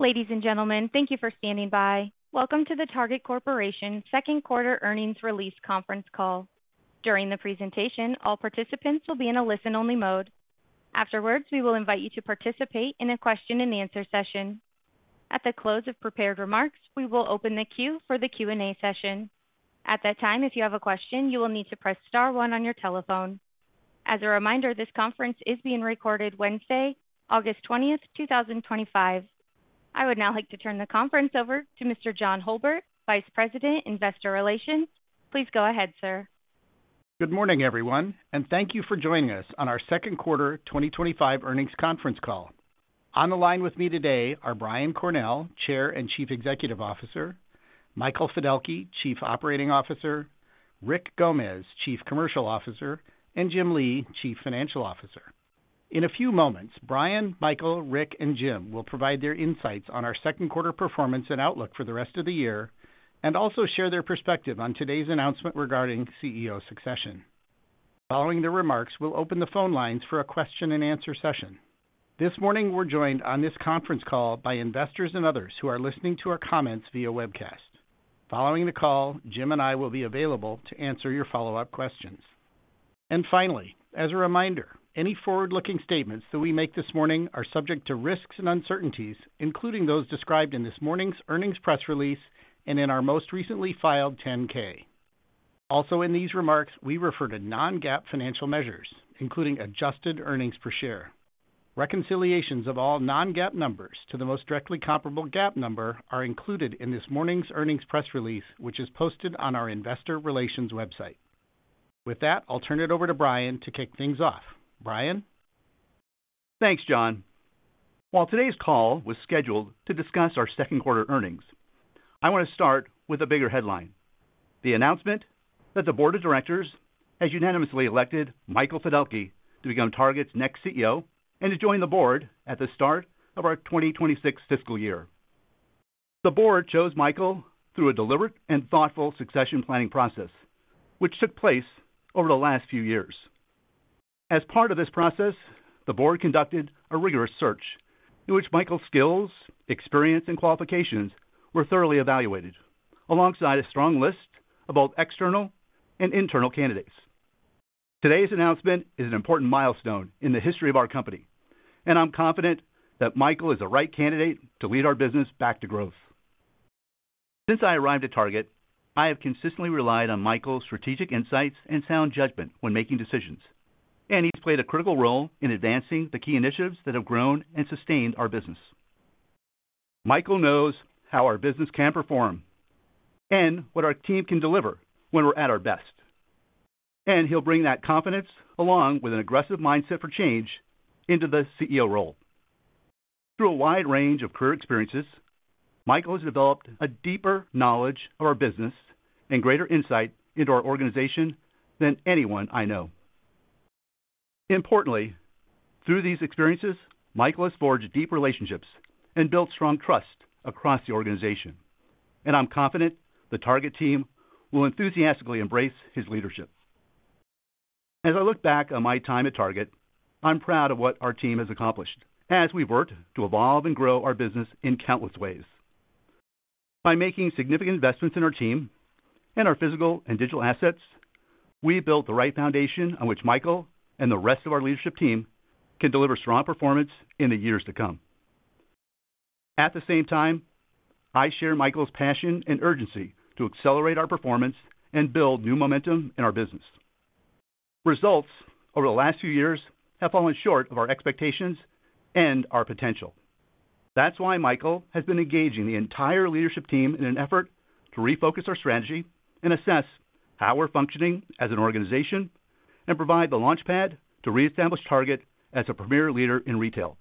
Ladies and gentlemen, thank you for standing by. Welcome to the Target Corporation's Second Quarter Earnings Release Conference Call. During the presentation, all participants will be in a listen-only mode. Afterwards, we will invite you to participate in a question-and-answer session. At the close of prepared remarks, we will open the queue for the Q&A session. At that time, if you have a question, you will need to press star one on your telephone. As a reminder, this conference is being recorded Wednesday, August 20th, 2025. I would now like to turn the conference over to Mr. John Hulbert, Vice President, Investor Relations. Please go ahead, sir. Good morning, everyone, and thank you for joining us on our second quarter 2025 earnings conference call. On the line with me today are Brian Cornell, Chair and Chief Executive Officer, Michael Fiddelke, Chief Operating Officer, Rick Gomez, Chief Commercial Officer, and Jim Lee, Chief Financial Officer. In a few moments, Brian, Michael, Rick, and Jim will provide their insights on our second quarter performance and outlook for the rest of the year and also share their perspective on today's announcement regarding CEO succession. Following their remarks, we'll open the phone lines for a question-and-answer session. This morning, we're joined on this conference call by investors and others who are listening to our comments via webcast. Following the call, Jim and I will be available to answer your follow-up questions. Finally, as a reminder, any forward-looking statements that we make this morning are subject to risks and uncertainties, including those described in this morning's earnings press release and in our most recently filed Form 10-K. Also, in these remarks, we refer to non-GAAP financial measures, including adjusted EPS. Reconciliations of all non-GAAP numbers to the most directly comparable GAAP number are included in this morning's earnings press release, which is posted on our Investor Relations website. With that, I'll turn it over to Brian to kick things off. Brian? Thanks, John. While today's call was scheduled to discuss our second quarter earnings, I want to start with a bigger headline: the announcement that the Board of Directors has unanimously elected Michael Fiddelke to become Target's next CEO and to join the board at the start of our 2026 fiscal year. The board chose Michael through a deliberate and thoughtful succession planning process, which took place over the last few years. As part of this process, the board conducted a rigorous search in which Michael's skills, experience, and qualifications were thoroughly evaluated, alongside a strong list of both external and internal candidates. Today's announcement is an important milestone in the history of our company, and I'm confident that Michael is the right candidate to lead our business back to growth. Since I arrived at Target, I have consistently relied on Michael's strategic insights and sound judgment when making decisions, and he's played a critical role in advancing the key initiatives that have grown and sustained our business. Michael knows how our business can perform and what our team can deliver when we're at our best, and he'll bring that confidence, along with an aggressive mindset for change, into the CEO role. Through a wide range of career experiences, Michael has developed a deeper knowledge of our business and greater insight into our organization than anyone I know. Importantly, through these experiences, Michael has forged deep relationships and built strong trust across the organization, and I'm confident the Target team will enthusiastically embrace his leadership. As I look back on my time at Target, I'm proud of what our team has accomplished as we've worked to evolve and grow our business in countless ways. By making significant investments in our team and our physical and digital assets, we built the right foundation on which Michael and the rest of our leadership team can deliver strong performance in the years to come. At the same time, I share Michael's passion and urgency to accelerate our performance and build new momentum in our business. Results over the last few years have fallen short of our expectations and our potential. That's why Michael has been engaging the entire leadership team in an effort to refocus our strategy and assess how we're functioning as an organization and provide the launchpad to reestablish Target as a premier leader in retail.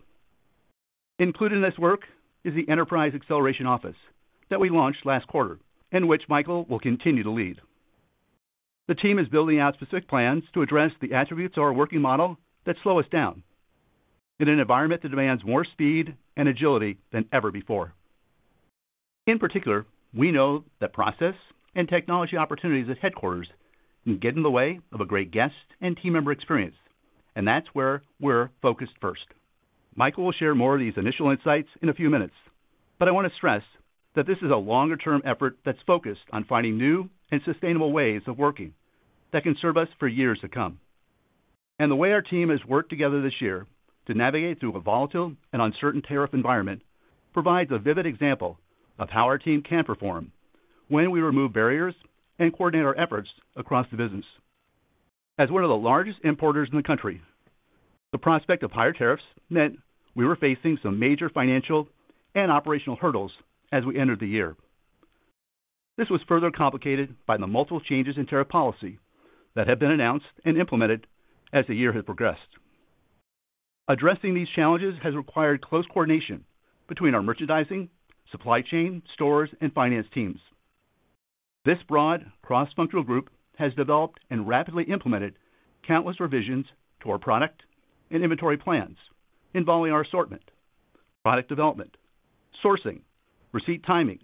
Included in this work is the Enterprise Acceleration Office that we launched last quarter and which Michael will continue to lead. The team is building out specific plans to address the attributes of our working model that slow us down in an environment that demands more speed and agility than ever before. In particular, we know that process and technology opportunities at headquarters can get in the way of a great guest and team member experience, and that's where we're focused first. Michael will share more of these initial insights in a few minutes. I want to stress that this is a longer-term effort that's focused on finding new and sustainable ways of working that can serve us for years to come. The way our team has worked together this year to navigate through a volatile and uncertain tariff environment provides a vivid example of how our team can perform when we remove barriers and coordinate our efforts across the business. As one of the largest importers in the country, the prospect of higher tariffs meant we were facing some major financial and operational hurdles as we entered the year. This was further complicated by the multiple changes in tariff policy that have been announced and implemented as the year has progressed. Addressing these challenges has required close coordination between our merchandising, supply chain, stores, and finance teams. This broad, cross-functional group has developed and rapidly implemented countless revisions to our product and inventory plans involving our assortment, product development, sourcing, receipt timing,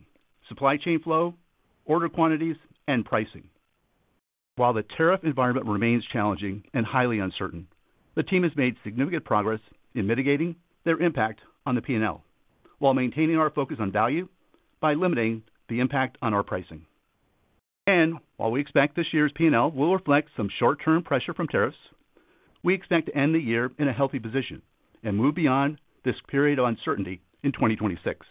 supply chain flow, order quantities, and pricing. While the tariff environment remains challenging and highly uncertain, the team has made significant progress in mitigating their impact on the P&L while maintaining our focus on value by limiting the impact on our pricing. While we expect this year's P&L will reflect some short-term pressure from tariffs, we expect to end the year in a healthy position and move beyond this period of uncertainty in 2026.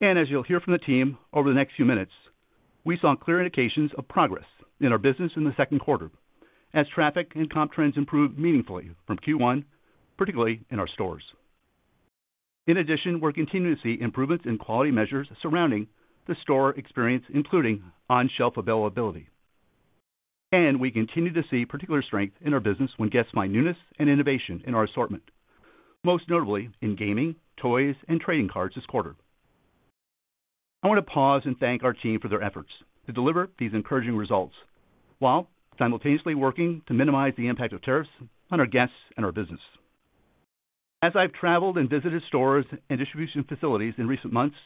As you'll hear from the team over the next few minutes, we saw clear indications of progress in our business in the second quarter as traffic and comp trends improved meaningfully from Q1, particularly in our stores. In addition, we're continuing to see improvements in quality measures surrounding the store experience, including on-shelf availability. We continue to see particular strength in our business when guests find newness and innovation in our assortment, most notably in gaming, toys, and trading cards this quarter. I want to pause and thank our team for their efforts to deliver these encouraging results while simultaneously working to minimize the impact of tariffs on our guests and our business. As I've traveled and visited stores and distribution facilities in recent months,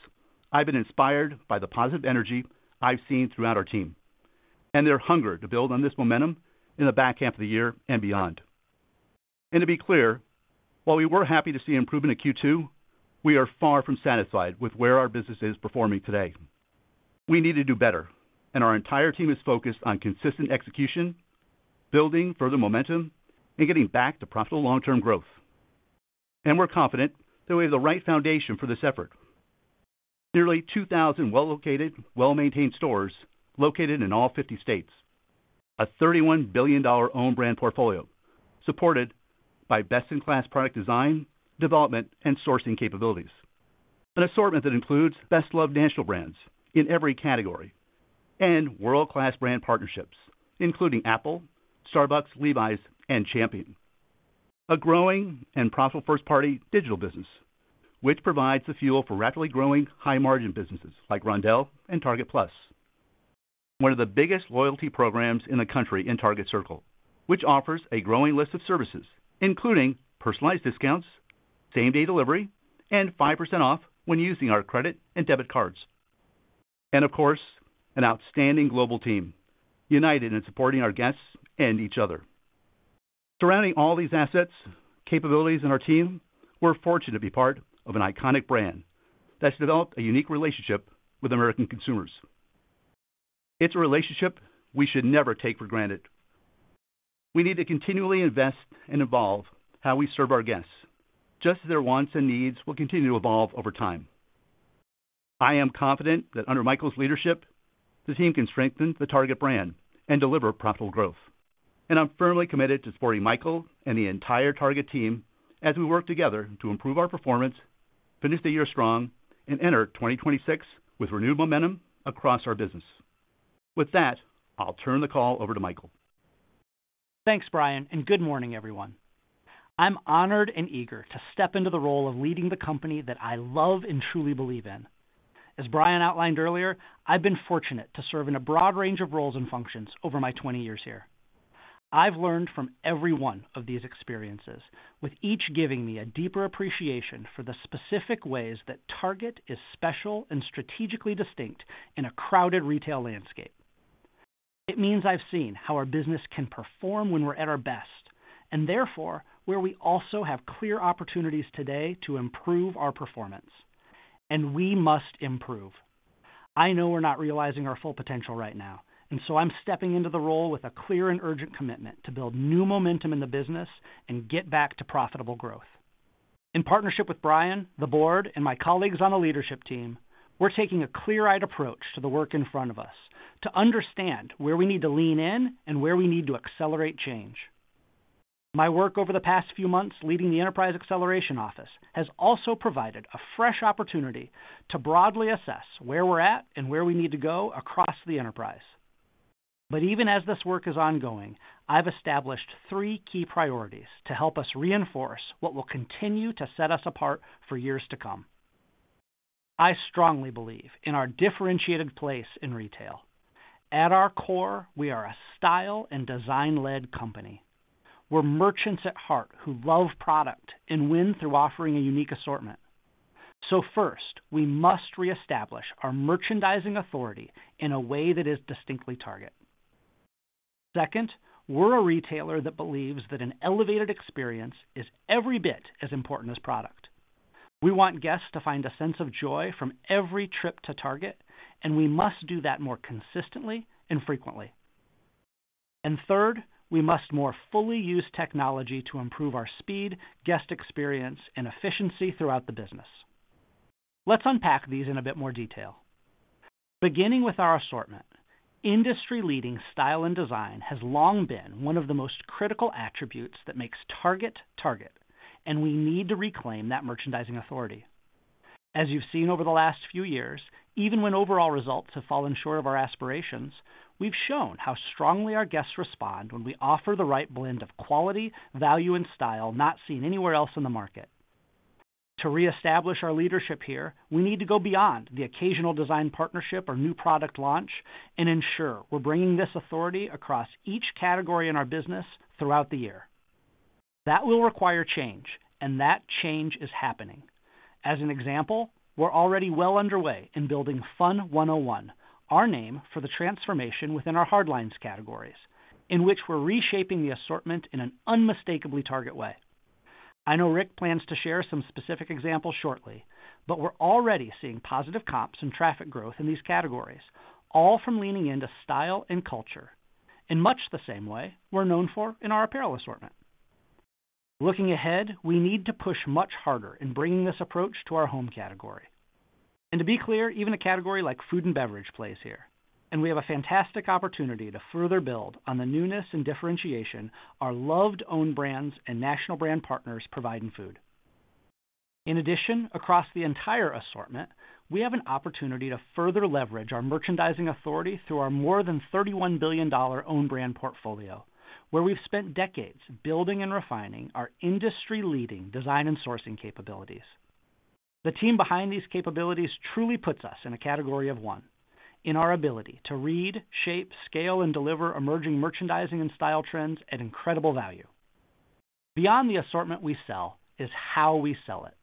I've been inspired by the positive energy I've seen throughout our team and their hunger to build on this momentum in the back half of the year and beyond. To be clear, while we were happy to see improvement in Q2, we are far from satisfied with where our business is performing today. We need to do better, and our entire team is focused on consistent execution, building further momentum, and getting back to profitable long-term growth. We're confident that we have the right foundation for this effort. Nearly 2,000 well-located, well-maintained stores located in all 50 states, a $31 billion owned brand portfolio supported by best-in-class product design, development, and sourcing capabilities. An assortment that includes best-loved national brands in every category and world-class brand partnerships, including Apple, Starbucks, Levi's, and Champion. A growing and profitable first-party digital business, which provides the fuel for rapidly growing high-margin businesses like Roundel and Target Plus. One of the biggest loyalty programs in the country in Target Circle, which offers a growing list of services, including personalized discounts, same-day delivery, and 5% off when using our credit and debit cards. Of course, an outstanding global team united in supporting our guests and each other. Surrounding all these assets, capabilities, and our team, we're fortunate to be part of an iconic brand that's developed a unique relationship with American consumers. It's a relationship we should never take for granted. We need to continually invest and evolve how we serve our guests, just as their wants and needs will continue to evolve over time. I am confident that under Michael's leadership, the team can strengthen the Target brand and deliver profitable growth. I'm firmly committed to supporting Michael and the entire Target team as we work together to improve our performance, finish the year strong, and enter 2026 with renewed momentum across our business. With that, I'll turn the call over to Michael. Thanks, Brian, and good morning, everyone. I'm honored and eager to step into the role of leading the company that I love and truly believe in. As Brian outlined earlier, I've been fortunate to serve in a broad range of roles and functions over my 20 years here. I've learned from every one of these experiences, with each giving me a deeper appreciation for the specific ways that Target is special and strategically distinct in a crowded retail landscape. It means I've seen how our business can perform when we're at our best, and therefore where we also have clear opportunities today to improve our performance. We must improve. I know we're not realizing our full potential right now, and I'm stepping into the role with a clear and urgent commitment to build new momentum in the business and get back to profitable growth. In partnership with Brian, the Board, and my colleagues on the leadership team, we're taking a clear-eyed approach to the work in front of us to understand where we need to lean in and where we need to accelerate change. My work over the past few months leading the Enterprise Acceleration Office has also provided a fresh opportunity to broadly assess where we're at and where we need to go across the enterprise. Even as this work is ongoing, I've established three key priorities to help us reinforce what will continue to set us apart for years to come. I strongly believe in our differentiated place in retail. At our core, we are a style and design-led company. We're merchants at heart who love product and win through offering a unique assortment. First, we must reestablish our merchandising authority in a way that is distinctly Target. Second, we're a retailer that believes that an elevated experience is every bit as important as product. We want guests to find a sense of joy from every trip to Target, and we must do that more consistently and frequently. Third, we must more fully use technology to improve our speed, guest experience, and efficiency throughout the business. Let's unpack these in a bit more detail. Beginning with our assortment, industry-leading style and design has long been one of the most critical attributes that makes Target, Target, and we need to reclaim that merchandising authority. As you've seen over the last few years, even when overall results have fallen short of our aspirations, we've shown how strongly our guests respond when we offer the right blend of quality, value, and style not seen anywhere else in the market. To reestablish our leadership here, we need to go beyond the occasional design partnership or new product launch and ensure we're bringing this authority across each category in our business throughout the year. That will require change, and that change is happening. As an example, we're already well underway in building Fun 101, our name for the transformation within our hardlines categories, in which we're reshaping the assortment in an unmistakably Target way. I know Rick plans to share some specific examples shortly, but we're already seeing positive comps and traffic growth in these categories, all from leaning into style and culture. In much the same way, we're known for in our apparel assortment. Looking ahead, we need to push much harder in bringing this approach to our home category. To be clear, even a category like food and beverage plays here, and we have a fantastic opportunity to further build on the newness and differentiation our loved owned brands and national brand partners provide in food. In addition, across the entire assortment, we have an opportunity to further leverage our merchandising authority through our more than $31 billion owned brand portfolio, where we've spent decades building and refining our industry-leading design and sourcing capabilities. The team behind these capabilities truly puts us in a category of one in our ability to read, shape, scale, and deliver emerging merchandising and style trends at incredible value. Beyond the assortment we sell is how we sell it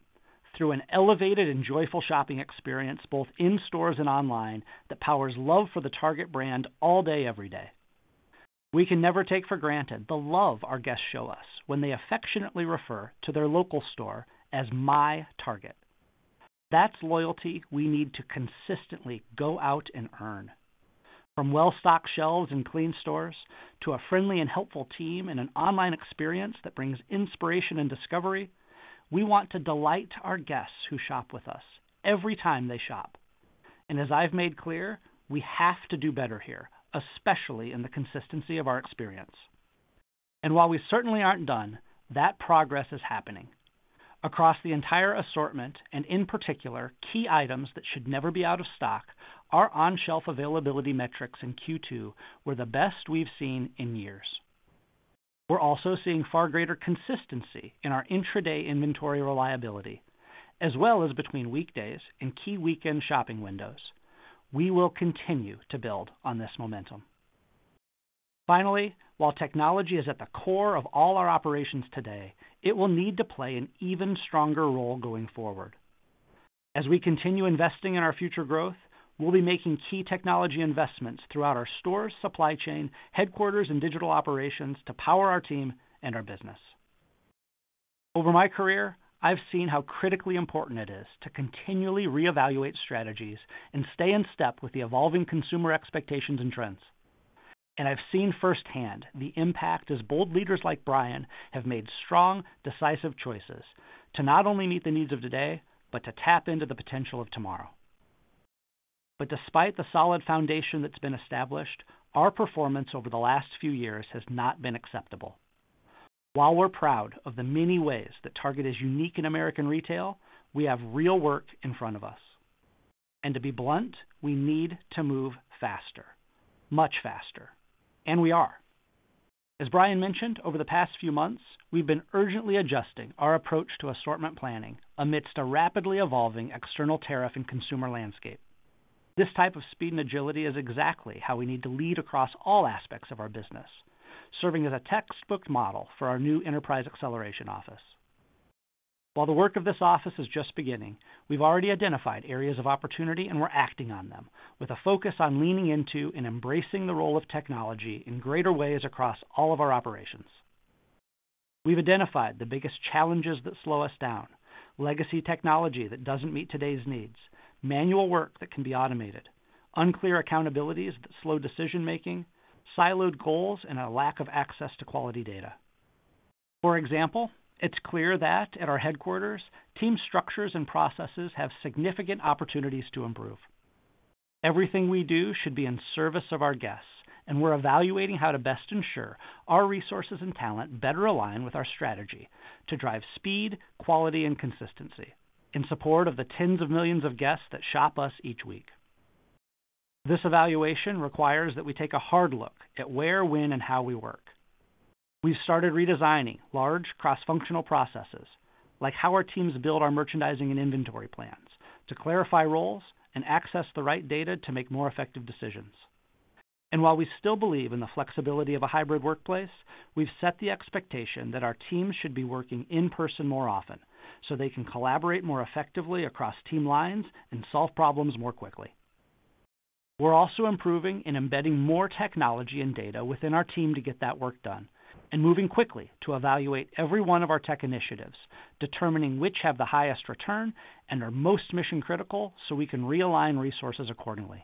through an elevated and joyful shopping experience, both in stores and online, that powers love for the Target brand all day, every day. We can never take for granted the love our guests show us when they affectionately refer to their local store as my Target. That's loyalty we need to consistently go out and earn. From well-stocked shelves and clean stores to a friendly and helpful team and an online experience that brings inspiration and discovery, we want to delight our guests who shop with us every time they shop. As I've made clear, we have to do better here, especially in the consistency of our experience. While we certainly aren't done, that progress is happening. Across the entire assortment, and in particular, key items that should never be out of stock, our on-shelf availability metrics in Q2 were the best we've seen in years. We're also seeing far greater consistency in our intraday inventory reliability, as well as between weekdays and key weekend shopping windows. We will continue to build on this momentum. Finally, while technology is at the core of all our operations today, it will need to play an even stronger role going forward. As we continue investing in our future growth, we'll be making key technology investments throughout our stores, supply chain, headquarters, and digital operations to power our team and our business. Over my career, I've seen how critically important it is to continually reevaluate strategies and stay in step with the evolving consumer expectations and trends. I've seen firsthand the impact as bold leaders like Brian have made strong, decisive choices to not only meet the needs of today, but to tap into the potential of tomorrow. Despite the solid foundation that's been established, our performance over the last few years has not been acceptable. While we're proud of the many ways that Target is unique in American retail, we have real work in front of us. To be blunt, we need to move faster, much faster. We are. As Brian mentioned, over the past few months, we've been urgently adjusting our approach to assortment planning amidst a rapidly evolving external tariff and consumer landscape. This type of speed and agility is exactly how we need to lead across all aspects of our business, serving as a textbook model for our new Enterprise Acceleration Office. While the work of this office is just beginning, we've already identified areas of opportunity, and we're acting on them with a focus on leaning into and embracing the role of technology in greater ways across all of our operations. We've identified the biggest challenges that slow us down: legacy technology that doesn't meet today's needs, manual work that can be automated, unclear accountabilities that slow decision-making, siloed goals, and a lack of access to quality data. For example, it's clear that at our headquarters, team structures and processes have significant opportunities to improve. Everything we do should be in service of our guests, and we're evaluating how to best ensure our resources and talent better align with our strategy to drive speed, quality, and consistency in support of the tens of millions of guests that shop us each week. This evaluation requires that we take a hard look at where, when, and how we work. We've started redesigning large cross-functional processes, like how our teams build our merchandising and inventory plans, to clarify roles and access the right data to make more effective decisions. While we still believe in the flexibility of a hybrid workplace, we've set the expectation that our teams should be working in person more often so they can collaborate more effectively across team lines and solve problems more quickly. We're also improving in embedding more technology and data within our team to get that work done and moving quickly to evaluate every one of our tech initiatives, determining which have the highest return and are most mission-critical so we can realign resources accordingly.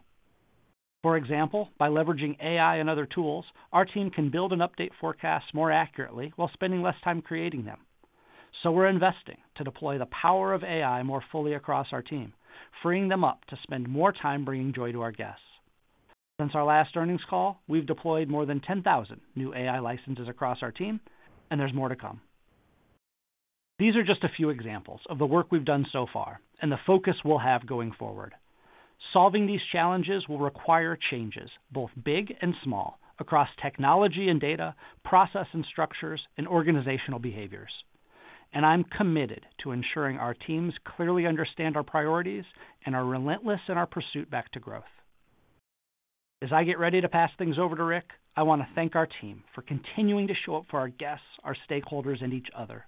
For example, by leveraging AI and other tools, our team can build and update forecasts more accurately while spending less time creating them. We're investing to deploy the power of AI more fully across our team, freeing them up to spend more time bringing joy to our guests. Since our last earnings call, we've deployed more than 10,000 new AI licenses across our team, and there's more to come. These are just a few examples of the work we've done so far and the focus we'll have going forward. Solving these challenges will require changes, both big and small, across technology and data, process and structures, and organizational behaviors. I'm committed to ensuring our teams clearly understand our priorities and are relentless in our pursuit back to growth. As I get ready to pass things over to Rick, I want to thank our team for continuing to show up for our guests, our stakeholders, and each other,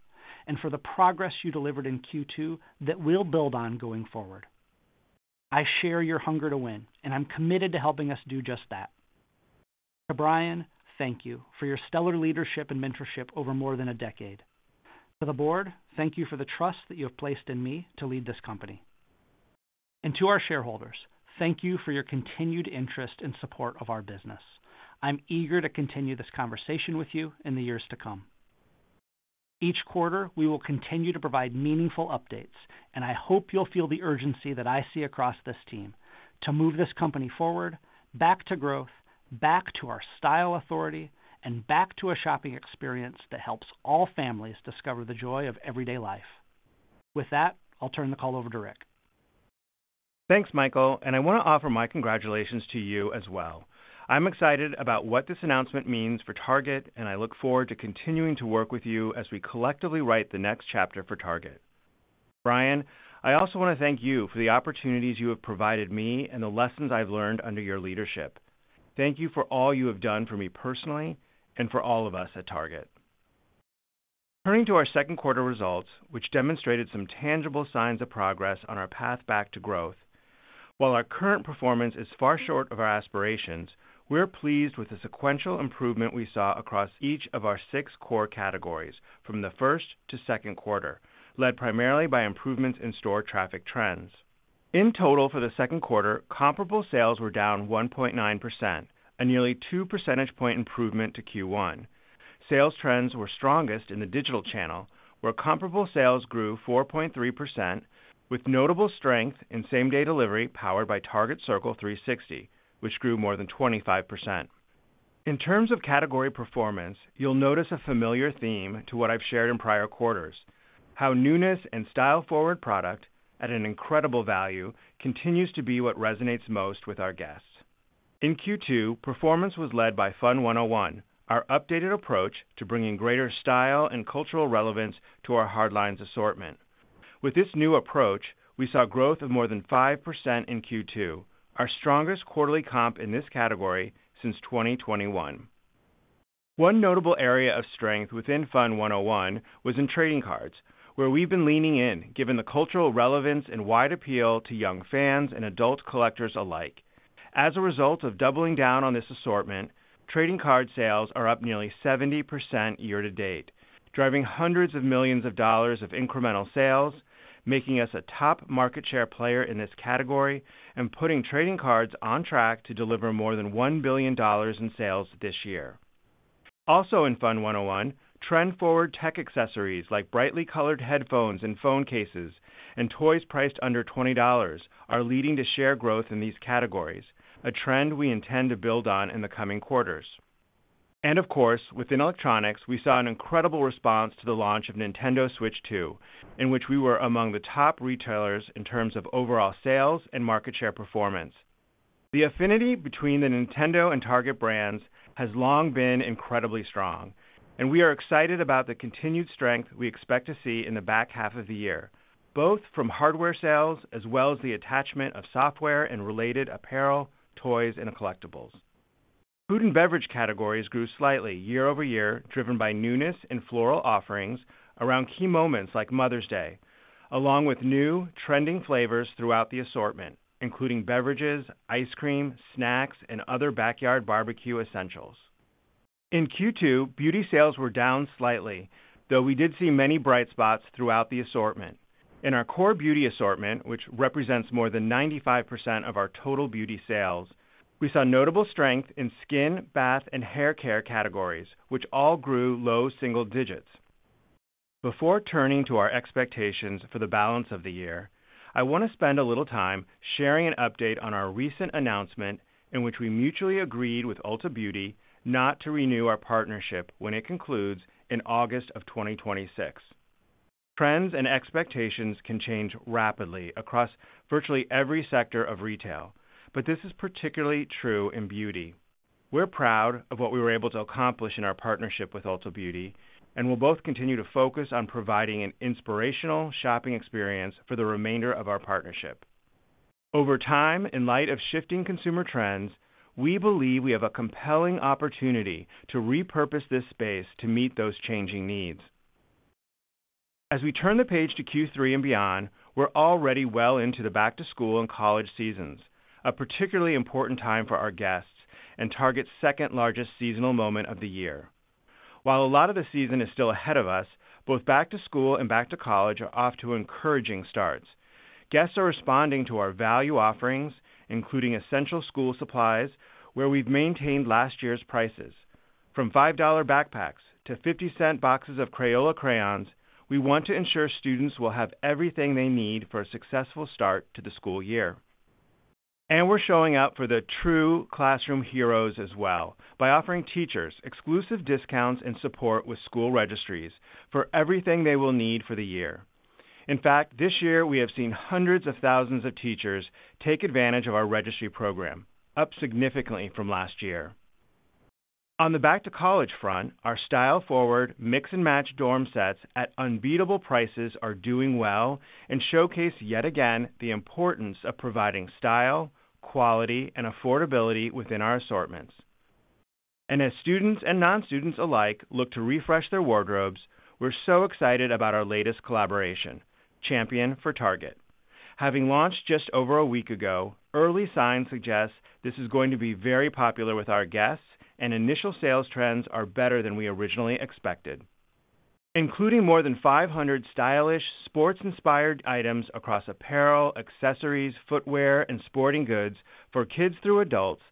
and for the progress you delivered in Q2 that we'll build on going forward. I share your hunger to win, and I'm committed to helping us do just that. To Brian, thank you for your stellar leadership and mentorship over more than a decade. To the board, thank you for the trust that you have placed in me to lead this company. To our shareholders, thank you for your continued interest and support of our business. I'm eager to continue this conversation with you in the years to come. Each quarter, we will continue to provide meaningful updates, and I hope you'll feel the urgency that I see across this team to move this company forward, back to growth, back to our style authority, and back to a shopping experience that helps all families discover the joy of everyday life. With that, I'll turn the call over to Rick. Thanks, Michael, and I want to offer my congratulations to you as well. I'm excited about what this announcement means for Target, and I look forward to continuing to work with you as we collectively write the next chapter for Target. Brian, I also want to thank you for the opportunities you have provided me and the lessons I've learned under your leadership. Thank you for all you have done for me personally and for all of us at Target. Turning to our second quarter results, which demonstrated some tangible signs of progress on our path back to growth. While our current performance is far short of our aspirations, we are pleased with the sequential improvement we saw across each of our six core categories from the first quarter to second quarter, led primarily by improvements in store traffic trends. In total, for the second quarter, comparable sales were down 1.9%, a nearly 2 percentage point improvement to Q1. Sales trends were strongest in the digital channel, where comparable sales grew 4.3%, with notable strength in same-day delivery powered by Target Circle 360, which grew more than 25%. In terms of category performance, you'll notice a familiar theme to what I've shared in prior quarters: how newness and style-forward product, at an incredible value, continues to be what resonates most with our guests. In Q2, performance was led by Fun 101, our updated approach to bringing greater style and cultural relevance to our hardlines assortment. With this new approach, we saw growth of more than 5% in Q2, our strongest quarterly comp in this category since 2021. One notable area of strength within Fun 101 was in trading cards, where we've been leaning in, given the cultural relevance and wide appeal to young fans and adult collectors alike. As a result of doubling down on this assortment, trading card sales are up nearly 70% year-to-date, driving hundreds of millions of dollars of incremental sales, making us a top market share player in this category, and putting trading cards on track to deliver more than $1 billion in sales this year. Also, in Fun 101, trend-forward tech accessories like brightly colored headphones and phone cases and toys priced under $20 are leading to share growth in these categories, a trend we intend to build on in the coming quarters. Of course, within electronics, we saw an incredible response to the launch of Nintendo Switch 2, in which we were among the top retailers in terms of overall sales and market share performance. The affinity between the Nintendo and Target brands has long been incredibly strong, and we are excited about the continued strength we expect to see in the back half of the year, both from hardware sales as well as the attachment of software and related apparel, toys, and collectibles. Food and beverage categories grew slightly year over year, driven by newness and floral offerings around key moments like Mother's Day, along with new trending flavors throughout the assortment, including beverages, ice cream, snacks, and other backyard barbecue essentials. In Q2, beauty sales were down slightly, though we did see many bright spots throughout the assortment. In our core beauty assortment, which represents more than 95% of our total beauty sales, we saw notable strength in skin, bath, and hair care categories, which all grew low single digits. Before turning to our expectations for the balance of the year, I want to spend a little time sharing an update on our recent announcement in which we mutually agreed with Ulta Beauty not to renew our partnership when it concludes in August of 2026. Trends and expectations can change rapidly across virtually every sector of retail, but this is particularly true in beauty. We're proud of what we were able to accomplish in our partnership with Ulta Beauty, and we'll both continue to focus on providing an inspirational shopping experience for the remainder of our partnership. Over time, in light of shifting consumer trends, we believe we have a compelling opportunity to repurpose this space to meet those changing needs. As we turn the page to Q3 and beyond, we're already well into the back-to-school and college seasons, a particularly important time for our guests and Target's second-largest seasonal moment of the year. While a lot of the season is still ahead of us, both back-to-school and back-to-college are off to encouraging starts. Guests are responding to our value offerings, including essential school supplies, where we've maintained last year's prices. From $5 backpacks to $0.50 boxes of Crayola crayons, we want to ensure students will have everything they need for a successful start to the school year. We are showing up for the true classroom heroes as well by offering teachers exclusive discounts and support with school registries for everything they will need for the year. In fact, this year we have seen hundreds of thousands of teachers take advantage of our registry program, up significantly from last year. On the back-to-college front, our style-forward mix-and-match dorm sets at unbeatable prices are doing well and showcase yet again the importance of providing style, quality, and affordability within our assortments. As students and non-students alike look to refresh their wardrobes, we're so excited about our latest collaboration, Champion for Target. Having launched just over a week ago, early signs suggest this is going to be very popular with our guests, and initial sales trends are better than we originally expected. Including more than 500 stylish sports-inspired items across apparel, accessories, footwear, and sporting goods for kids through adults,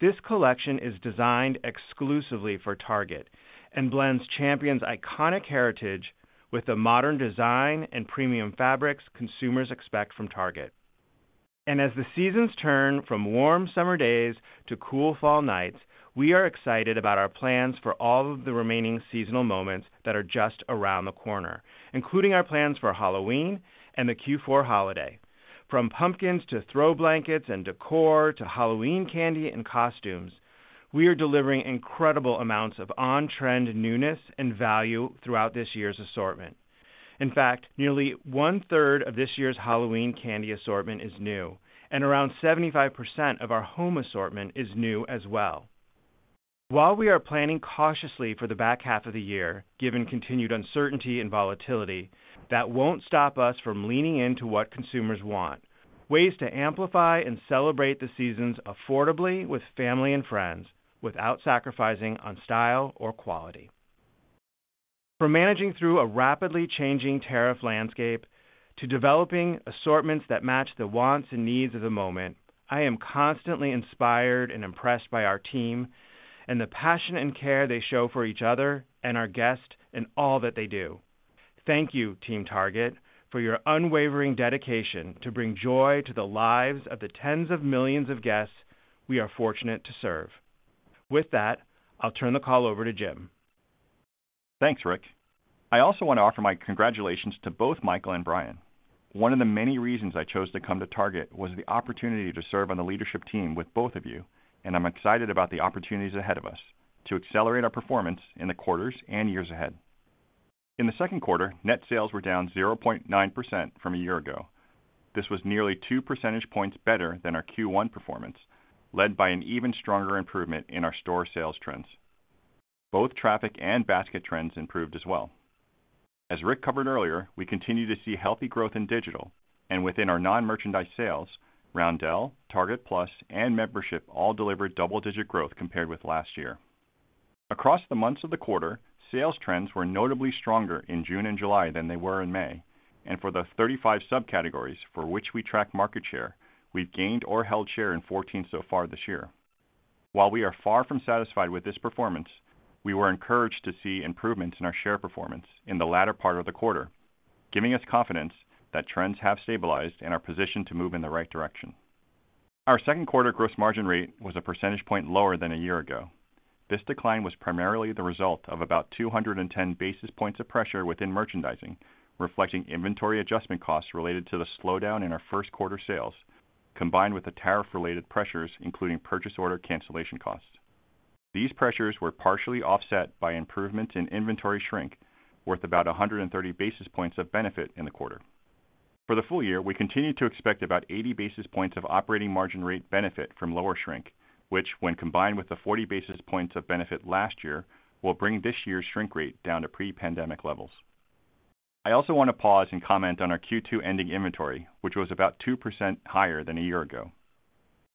this collection is designed exclusively for Target and blends Champion's iconic heritage with the modern design and premium fabrics consumers expect from Target. As the seasons turn from warm summer days to cool fall nights, we are excited about our plans for all of the remaining seasonal moments that are just around the corner, including our plans for Halloween and the Q4 holiday. From pumpkins to throw blankets and decor to Halloween candy and costumes, we are delivering incredible amounts of on-trend newness and value throughout this year's assortment. In fact, nearly 1/3 of this year's Halloween candy assortment is new, and around 75% of our home assortment is new as well. While we are planning cautiously for the back half of the year, given continued uncertainty and volatility, that won't stop us from leaning into what consumers want: ways to amplify and celebrate the seasons affordably with family and friends without sacrificing on style or quality. From managing through a rapidly changing tariff environment to developing assortments that match the wants and needs of the moment, I am constantly inspired and impressed by our team and the passion and care they show for each other and our guests in all that they do. Thank you, Team Target, for your unwavering dedication to bring joy to the lives of the tens of millions of guests we are fortunate to serve. With that, I'll turn the call over to Jim. Thanks, Rick. I also want to offer my congratulations to both Michael and Brian. One of the many reasons I chose to come to Target was the opportunity to serve on the leadership team with both of you, and I'm excited about the opportunities ahead of us to accelerate our performance in the quarters and years ahead. In the second quarter, net sales were down 0.9% from a year ago. This was nearly 2 percentage points better than our Q1 performance, led by an even stronger improvement in our store sales trends. Both traffic and basket trends improved as well. As Rick covered earlier, we continue to see healthy growth in digital, and within our non-merchandise sales, Target Plus and membership all delivered double-digit growth compared with last year. Across the months of the quarter, sales trends were notably stronger in June and July than they were in May, and for the 35 subcategories for which we track market share, we've gained or held share in 14 so far this year. While we are far from satisfied with this performance, we were encouraged to see improvements in our share performance in the latter part of the quarter, giving us confidence that trends have stabilized and are positioned to move in the right direction. Our second quarter gross margin rate was a percentage point lower than a year ago. This decline was primarily the result of about 210 basis points of pressure within merchandising, reflecting inventory adjustment costs related to the slowdown in our first quarter sales, combined with the tariff-related pressures, including purchase order cancellation costs. These pressures were partially offset by improvements in inventory shrink, worth about 130 basis points of benefit in the quarter. For the full year, we continue to expect about 80 basis points of operating margin rate benefit from lower shrink, which, when combined with the 40 basis points of benefit last year, will bring this year's shrink rate down to pre-pandemic levels. I also want to pause and comment on our Q2 ending inventory, which was about 2% higher than a year ago.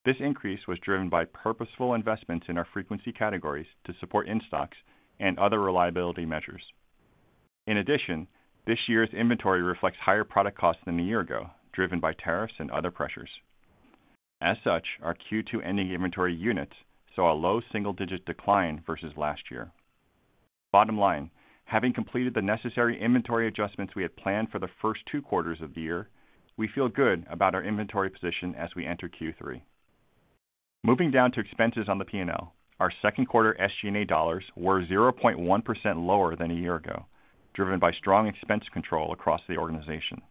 This increase was driven by purposeful investments in our frequency categories to support in-stocks and other reliability measures. In addition, this year's inventory reflects higher product costs than a year ago, driven by tariffs and other pressures. As such, our Q2 ending inventory units saw a low single-digit decline versus last year. Bottom line, having completed the necessary inventory adjustments we had planned for the first two quarters of the year, we feel good about our inventory position as we enter Q3. Moving down to expenses on the P&L, our second quarter SG&A dollars were 0.1% lower than a year ago, driven by strong expense control across the organization.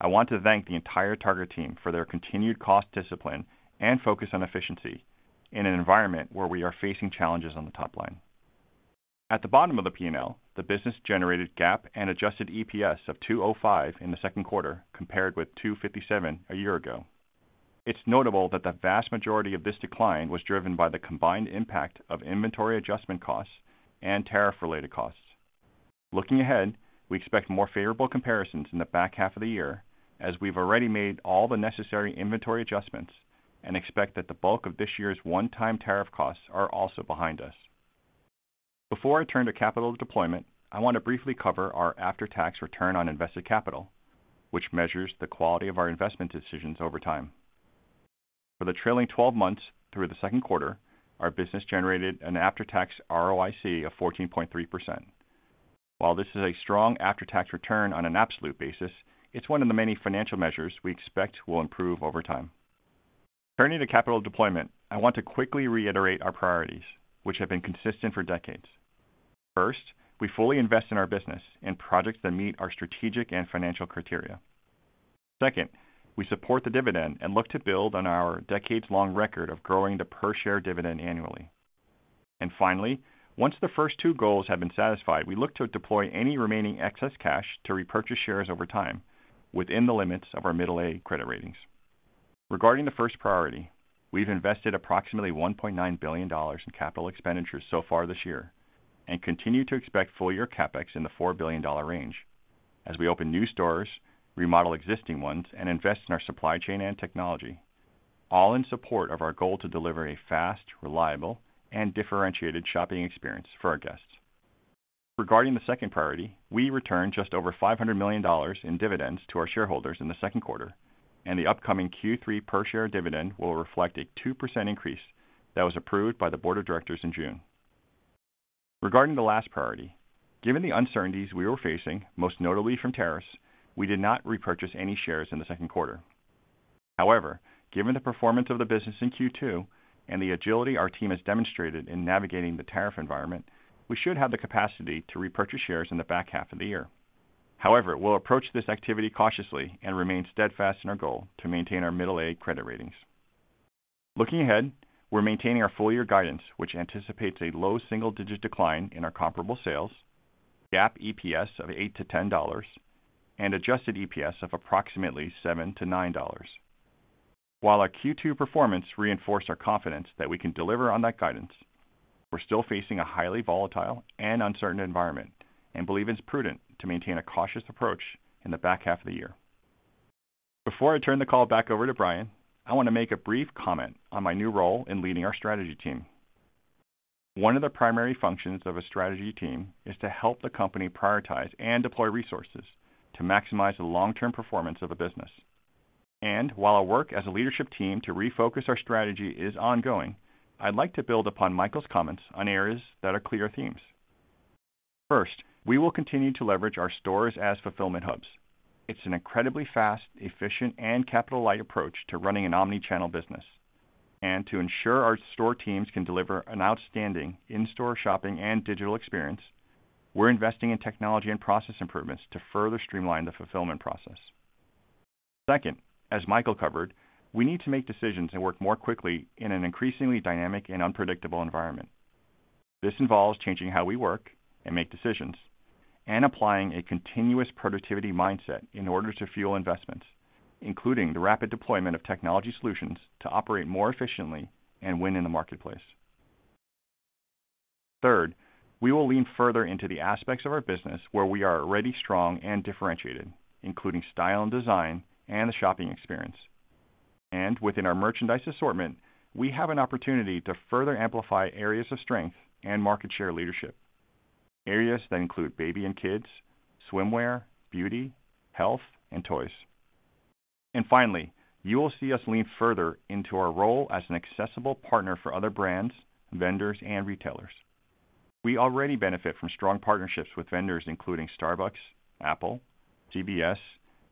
I want to thank the entire Target team for their continued cost discipline and focus on efficiency in an environment where we are facing challenges on the top line. At the bottom of the P&L, the business generated GAAP and adjusted EPS of $2.05 in the second quarter compared with $2.57 a year ago. It's notable that the vast majority of this decline was driven by the combined impact of inventory adjustment costs and tariff-related costs. Looking ahead, we expect more favorable comparisons in the back half of the year as we've already made all the necessary inventory adjustments and expect that the bulk of this year's one-time tariff costs are also behind us. Before I turn to capital deployment, I want to briefly cover our after-tax return on invested capital, which measures the quality of our investment decisions over time. For the trailing 12 months through the second quarter, our business generated an after-tax ROIC of 14.3%. While this is a strong after-tax return on an absolute basis, it's one of the many financial measures we expect will improve over time. Turning to capital deployment, I want to quickly reiterate our priorities, which have been consistent for decades. First, we fully invest in our business and projects that meet our strategic and financial criteria. Second, we support the dividend and look to build on our decades-long record of growing the per-share dividend annually. Finally, once the first two goals have been satisfied, we look to deploy any remaining excess cash to repurchase shares over time within the limits of our mid-tier credit ratings. Regarding the first priority, we've invested approximately $1.9 billion in capital expenditures so far this year and continue to expect full-year CapEx in the $4 billion range as we open new stores, remodel existing ones, and invest in our supply chain and technology, all in support of our goal to deliver a fast, reliable, and differentiated shopping experience for our guests. Regarding the second priority, we returned just over $500 million in dividends to our shareholders in the second quarter, and the upcoming Q3 per-share dividend will reflect a 2% increase that was approved by the board of directors in June. Regarding the last priority, given the uncertainties we were facing, most notably from tariffs, we did not repurchase any shares in the second quarter. However, given the performance of the business in Q2 and the agility our team has demonstrated in navigating the tariff environment, we should have the capacity to repurchase shares in the back half of the year. We'll approach this activity cautiously and remain steadfast in our goal to maintain our middle-aged credit ratings. Looking ahead, we're maintaining our full-year guidance, which anticipates a low single-digit decline in our comparable sales, GAAP EPS of $8-$10, and adjusted EPS of approximately $7-$9. While our Q2 performance reinforced our confidence that we can deliver on that guidance, we're still facing a highly volatile and uncertain environment and believe it's prudent to maintain a cautious approach in the back half of the year. Before I turn the call back over to Brian, I want to make a brief comment on my new role in leading our strategy team. One of the primary functions of a strategy team is to help the company prioritize and deploy resources to maximize the long-term performance of a business. While our work as a leadership team to refocus our strategy is ongoing, I'd like to build upon Michael's comments on areas that are clear themes. First, we will continue to leverage our stores as fulfillment hubs. It's an incredibly fast, efficient, and capital-light approach to running an omnichannel business. To ensure our store teams can deliver an outstanding in-store shopping and digital experience, we're investing in technology and process improvements to further streamline the fulfillment process. Second, as Michael covered, we need to make decisions and work more quickly in an increasingly dynamic and unpredictable environment. This involves changing how we work and make decisions and applying a continuous productivity mindset in order to fuel investments, including the rapid deployment of technology solutions to operate more efficiently and win in the marketplace. Third, we will lean further into the aspects of our business where we are already strong and differentiated, including style and design and the shopping experience. Within our merchandise assortment, we have an opportunity to further amplify areas of strength and market share leadership, areas that include baby and kids, swimwear, beauty, health, and toys. Finally, you will see us lean further into our role as an accessible partner for other brands, vendors, and retailers. We already benefit from strong partnerships with vendors including Starbucks, Apple, CBS,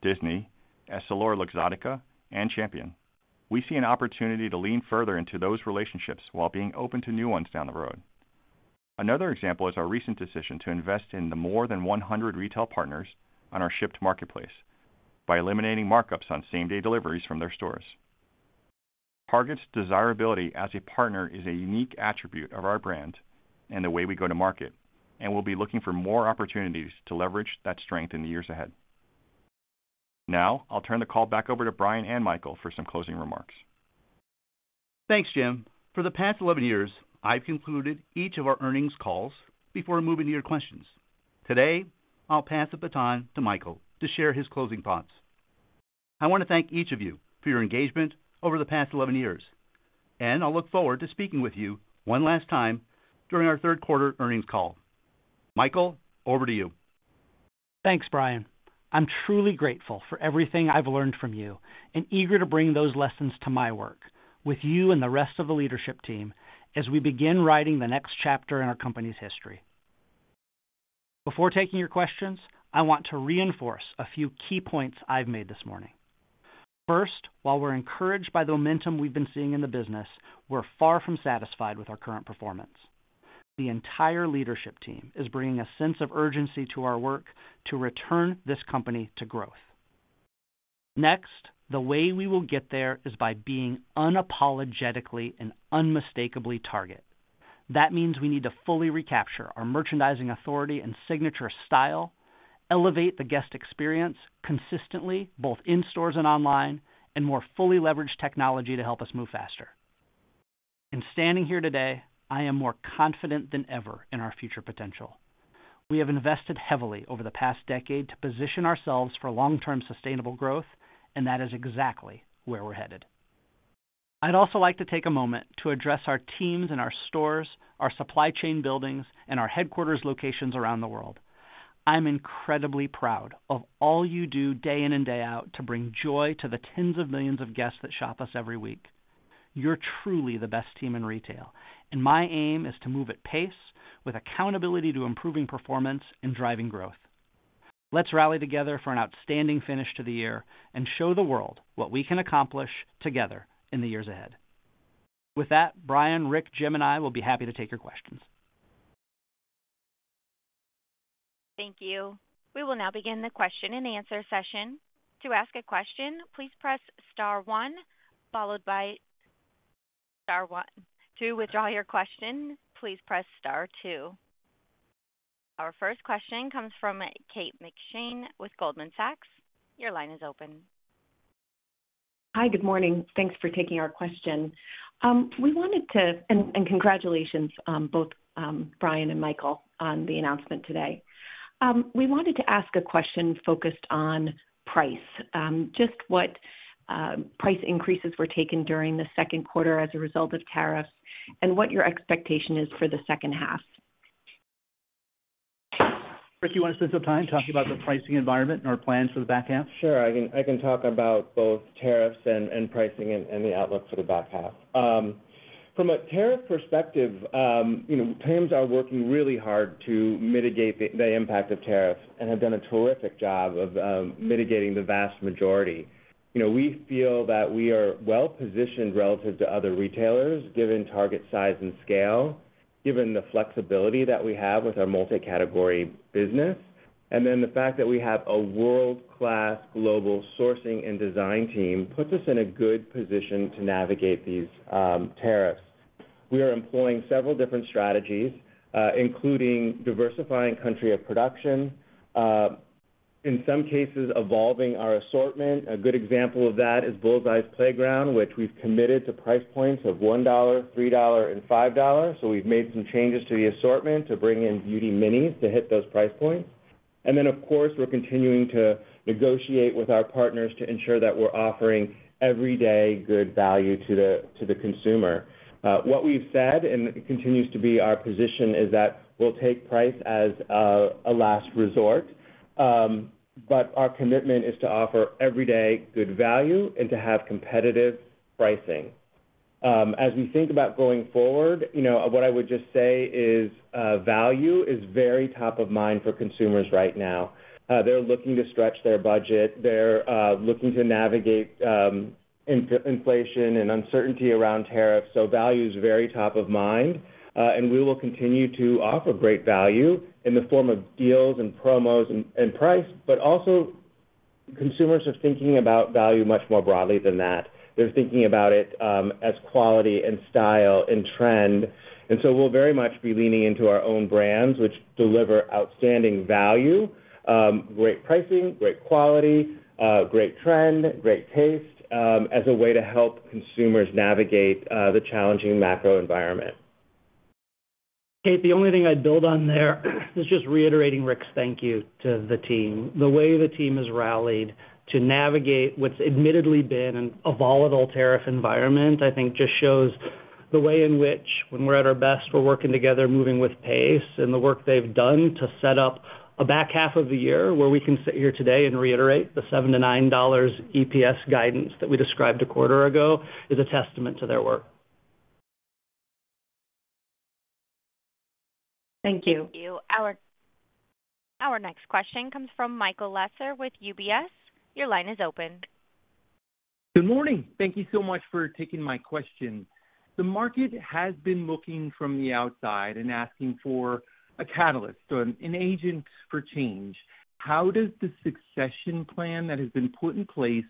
Disney, EssilorLuxottica, and Champion. We see an opportunity to lean further into those relationships while being open to new ones down the road. Another example is our recent decision to invest in the more than 100 retail partners on our Shipt marketplace by eliminating markups on same-day deliveries from their stores. Target's desirability as a partner is a unique attribute of our brand and the way we go to market, and we'll be looking for more opportunities to leverage that strength in the years ahead. Now, I'll turn the call back over to Brian and Michael for some closing remarks. Thanks, Jim. For the past 11 years, I've concluded each of our earnings calls before moving to your questions. Today, I'll pass the baton to Michael to share his closing thoughts. I want to thank each of you for your engagement over the past 11 years, and I'll look forward to speaking with you one last time during our third quarter earnings call. Michael, over to you. Thanks, Brian. I'm truly grateful for everything I've learned from you and eager to bring those lessons to my work with you and the rest of the leadership team as we begin writing the next chapter in our company's history. Before taking your questions, I want to reinforce a few key points I've made this morning. First, while we're encouraged by the momentum we've been seeing in the business, we're far from satisfied with our current performance. The entire leadership team is bringing a sense of urgency to our work to return this company to growth. Next, the way we will get there is by being unapologetically and unmistakably Target. That means we need to fully recapture our merchandising authority and signature style, elevate the guest experience consistently, both in stores and online, and more fully leverage technology to help us move faster. In standing here today, I am more confident than ever in our future potential. We have invested heavily over the past decade to position ourselves for long-term sustainable growth, and that is exactly where we're headed. I'd also like to take a moment to address our teams in our stores, our supply chain buildings, and our headquarters locations around the world. I'm incredibly proud of all you do day in and day out to bring joy to the tens of millions of guests that shop us every week. You're truly the best team in retail, and my aim is to move at pace with accountability to improving performance and driving growth. Let's rally together for an outstanding finish to the year and show the world what we can accomplish together in the years ahead. With that, Brian, Rick, Jim, and I will be happy to take your questions. Thank you. We will now begin the question and answer session. To ask a question, please press star one, followed by star one. To withdraw your question, please press star two. Our first question comes from Kate McShane with Goldman Sachs. Your line is open. Hi, good morning. Thanks for taking our question. Congratulations both Brian and Michael on the announcement today. We wanted to ask a question focused on price, just what price increases were taken during the second quarter as a result of tariffs and what your expectation is for the second half. Rick, do you want to spend some time talking about the pricing environment and our plans for the back half? Sure, I can talk about both tariffs and pricing and the outlook for the back half. From a tariff perspective, you know, teams are working really hard to mitigate the impact of tariffs and have done a terrific job of mitigating the vast majority. You know, we feel that we are well-positioned relative to other retailers given Target's size and scale, given the flexibility that we have with our multi-category business, and then the fact that we have a world-class global sourcing and design team puts us in a good position to navigate these tariffs. We are employing several different strategies, including diversifying country of production, in some cases evolving our assortment. A good example of that is Bullseye's Playground, which we've committed to price points of $1, $3, and $5. We've made some changes to the assortment to bring in beauty minis to hit those price points. Of course, we're continuing to negotiate with our partners to ensure that we're offering everyday good value to the consumer. What we've said and continues to be our position is that we'll take price as a last resort, but our commitment is to offer everyday good value and to have competitive pricing. As we think about going forward, what I would just say is value is very top of mind for consumers right now. They're looking to stretch their budget. They're looking to navigate inflation and uncertainty around tariffs. Value is very top of mind, and we will continue to offer great value in the form of deals and promos and price, but also consumers are thinking about value much more broadly than that. They're thinking about it as quality and style and trend. We will very much be leaning into our own brands, which deliver outstanding value, great pricing, great quality, great trend, great taste as a way to help consumers navigate the challenging macro environment. Kate, the only thing I'd build on there is just reiterating Rick's thank you to the team. The way the team has rallied to navigate what's admittedly been a volatile tariff environment, I think just shows the way in which, when we're at our best, we're working together, moving with pace, and the work they've done to set up a back half of the year where we can sit here today and reiterate the $7-$9 EPS guidance that we described a quarter ago is a testament to their work. Thank you. Our next question comes from Michael Lasser with UBS. Your line is open. Good morning. Thank you so much for taking my question. The market has been looking from the outside and asking for a catalyst, an agent for change. How does the succession plan that has been put in place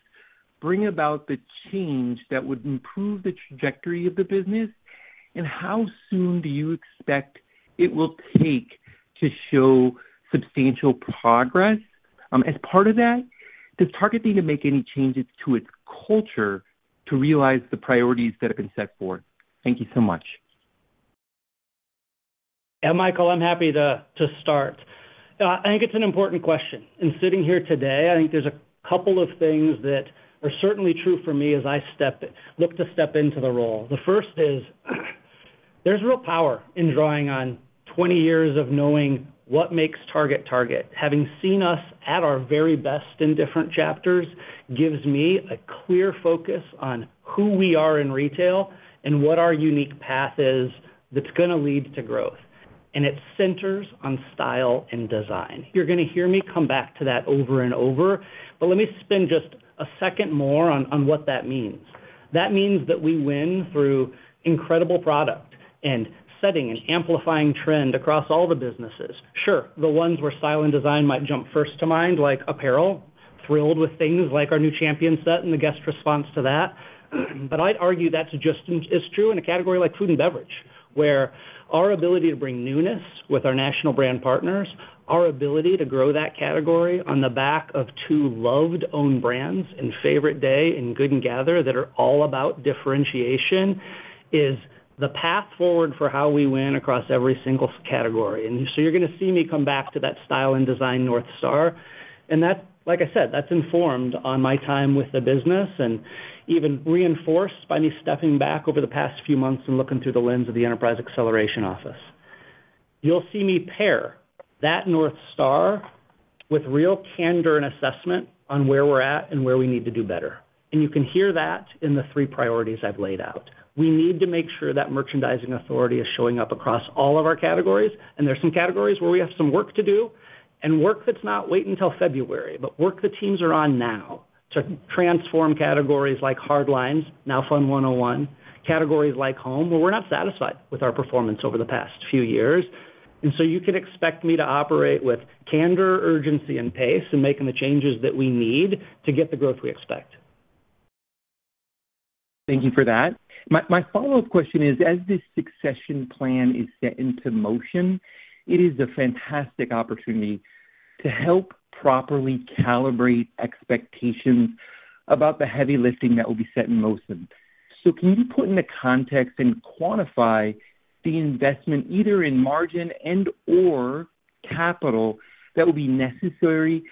bring about the change that would improve the trajectory of the business, and how soon do you expect it will take to show substantial progress? As part of that, does Target need to make any changes to its culture to realize the priorities that have been set forth? Thank you so much. Yeah, Michael, I'm happy to start. I think it's an important question. In sitting here today, I think there's a couple of things that are certainly true for me as I look to step into the role. The first is there's real power in drawing on 20 years of knowing what makes Target, Target. Having seen us at our very best in different chapters gives me a clear focus on who we are in retail and what our unique path is that's going to lead to growth. It centers on style and design. You're going to hear me come back to that over and over. Let me spend just a second more on what that means. That means that we win through incredible product and setting and amplifying trend across all the businesses. Sure, the ones where style and design might jump first to mind, like apparel, thrilled with things like our new Champion set and the guest response to that. I'd argue that's just as true in a category like food and beverage, where our ability to bring newness with our national brand partners, our ability to grow that category on the back of two loved-owned brands in Favorite Day and Good & Gather that are all about differentiation, is the path forward for how we win across every single category. You're going to see me come back to that style and design North Star. That's, like I said, that's informed on my time with the business and even reinforced by me stepping back over the past few months and looking through the lens of the Enterprise Acceleration Office. You'll see me pair that North Star with real candor and assessment on where we're at and where we need to do better. You can hear that in the three priorities I've laid out. We need to make sure that merchandising authority is showing up across all of our categories. There's some categories where we have some work to do and work that's not waiting until February, but work the teams are on now to transform categories like hardlines, now Fun 101, categories like home where we're not satisfied with our performance over the past few years. You can expect me to operate with candor, urgency, and pace in making the changes that we need to get the growth we expect. Thank you for that. My follow-up question is, as this succession plan is set into motion, it is a fantastic opportunity to help properly calibrate expectations about the heavy lifting that will be set in motion. Can you put into context and quantify the investment either in margin and/or capital that will be necessary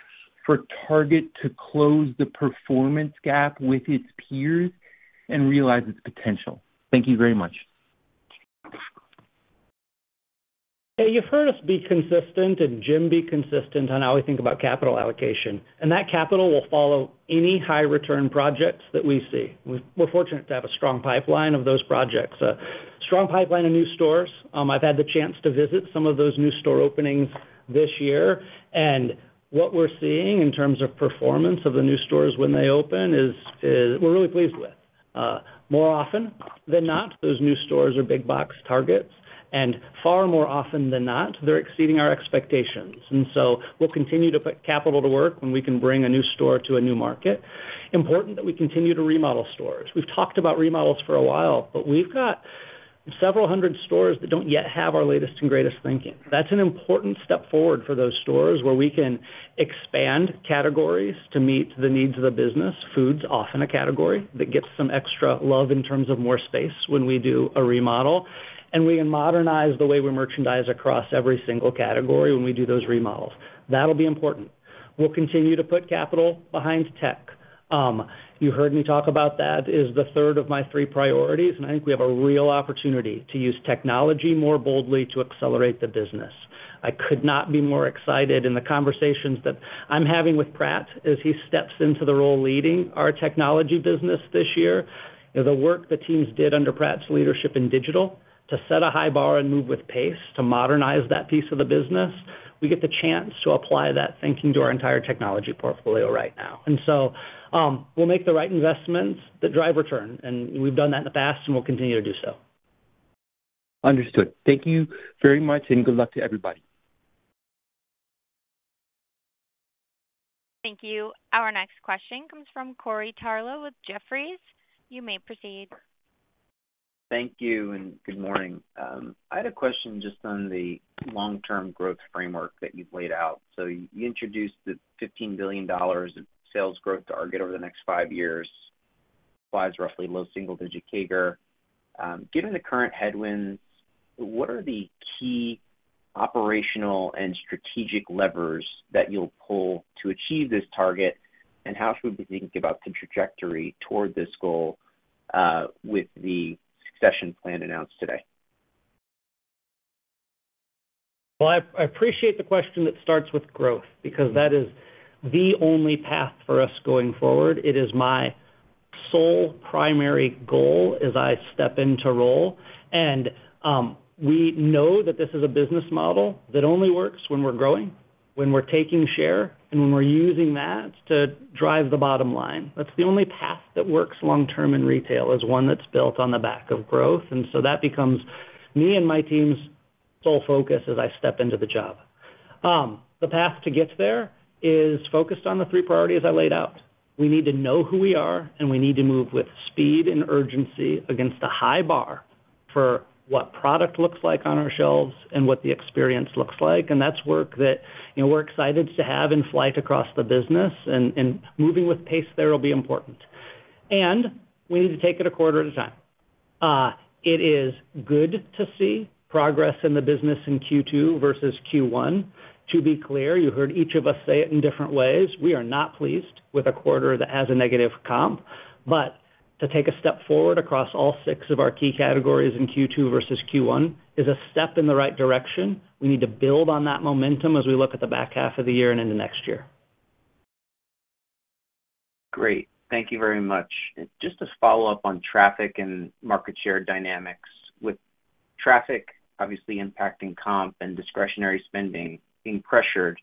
for Target to close the performance gap with its peers and realize its potential? Thank you very much. Hey, you've heard us be consistent and Jim be consistent on how we think about capital allocation. That capital will follow any high-return projects that we see. We're fortunate to have a strong pipeline of those projects, a strong pipeline of new stores. I've had the chance to visit some of those new store openings this year. What we're seeing in terms of performance of the new stores when they open is we're really pleased with. More often than not, those new stores are big box Targets, and far more often than not, they're exceeding our expectations. We'll continue to put capital to work when we can bring a new store to a new market. It's important that we continue to remodel stores. We've talked about remodels for a while, but we've got several hundred stores that don't yet have our latest and greatest thinking. That's an important step forward for those stores where we can expand categories to meet the needs of the business. Food's often a category that gets some extra love in terms of more space when we do a remodel. We can modernize the way we merchandise across every single category when we do those remodels. That'll be important. We'll continue to put capital behind tech. You heard me talk about that is the third of my three priorities. I think we have a real opportunity to use technology more boldly to accelerate the business. I could not be more excited in the conversations that I'm having with Prat as he steps into the role leading our technology business this year. The work the teams did under Prat's leadership in digital to set a high bar and move with pace to modernize that piece of the business. We get the chance to apply that thinking to our entire technology portfolio right now. We'll make the right investments that drive return. We've done that in the past and we'll continue to do so. Understood. Thank you very much, and good luck to everybody. Thank you. Our next question comes from Corey Tarlowe with Jefferies. You may proceed. Thank you and good morning. I had a question just on the long-term growth framework that you've laid out. You introduced the $15 billion of sales growth target over the next five years, which is roughly low single-digit CAGR. Given the current headwind, what are the key operational and strategic levers that you'll pull to achieve this target? How should we be thinking about the trajectory toward this goal with the succession plan announced today? I appreciate the question that starts with growth because that is the only path for us going forward. It is my sole primary goal as I step into role. We know that this is a business model that only works when we're growing, when we're taking share, and when we're using that to drive the bottom line. That's the only path that works long-term in retail, one that's built on the back of growth. That becomes me and my team's sole focus as I step into the job. The path to get there is focused on the three priorities I laid out. We need to know who we are, and we need to move with speed and urgency against a high bar for what product looks like on our shelves and what the experience looks like. That's work that we're excited to have in flight across the business. Moving with pace there will be important. We need to take it a quarter at a time. It is good to see progress in the business in Q2 versus Q1. To be clear, you heard each of us say it in different ways. We are not pleased with a quarter that has a negative comp. To take a step forward across all six of our key categories in Q2 versus Q1 is a step in the right direction. We need to build on that momentum as we look at the back half of the year and into next year. Great. Thank you very much. Just to follow up on traffic and market share dynamics, with traffic obviously impacting comp and discretionary spending being pressured,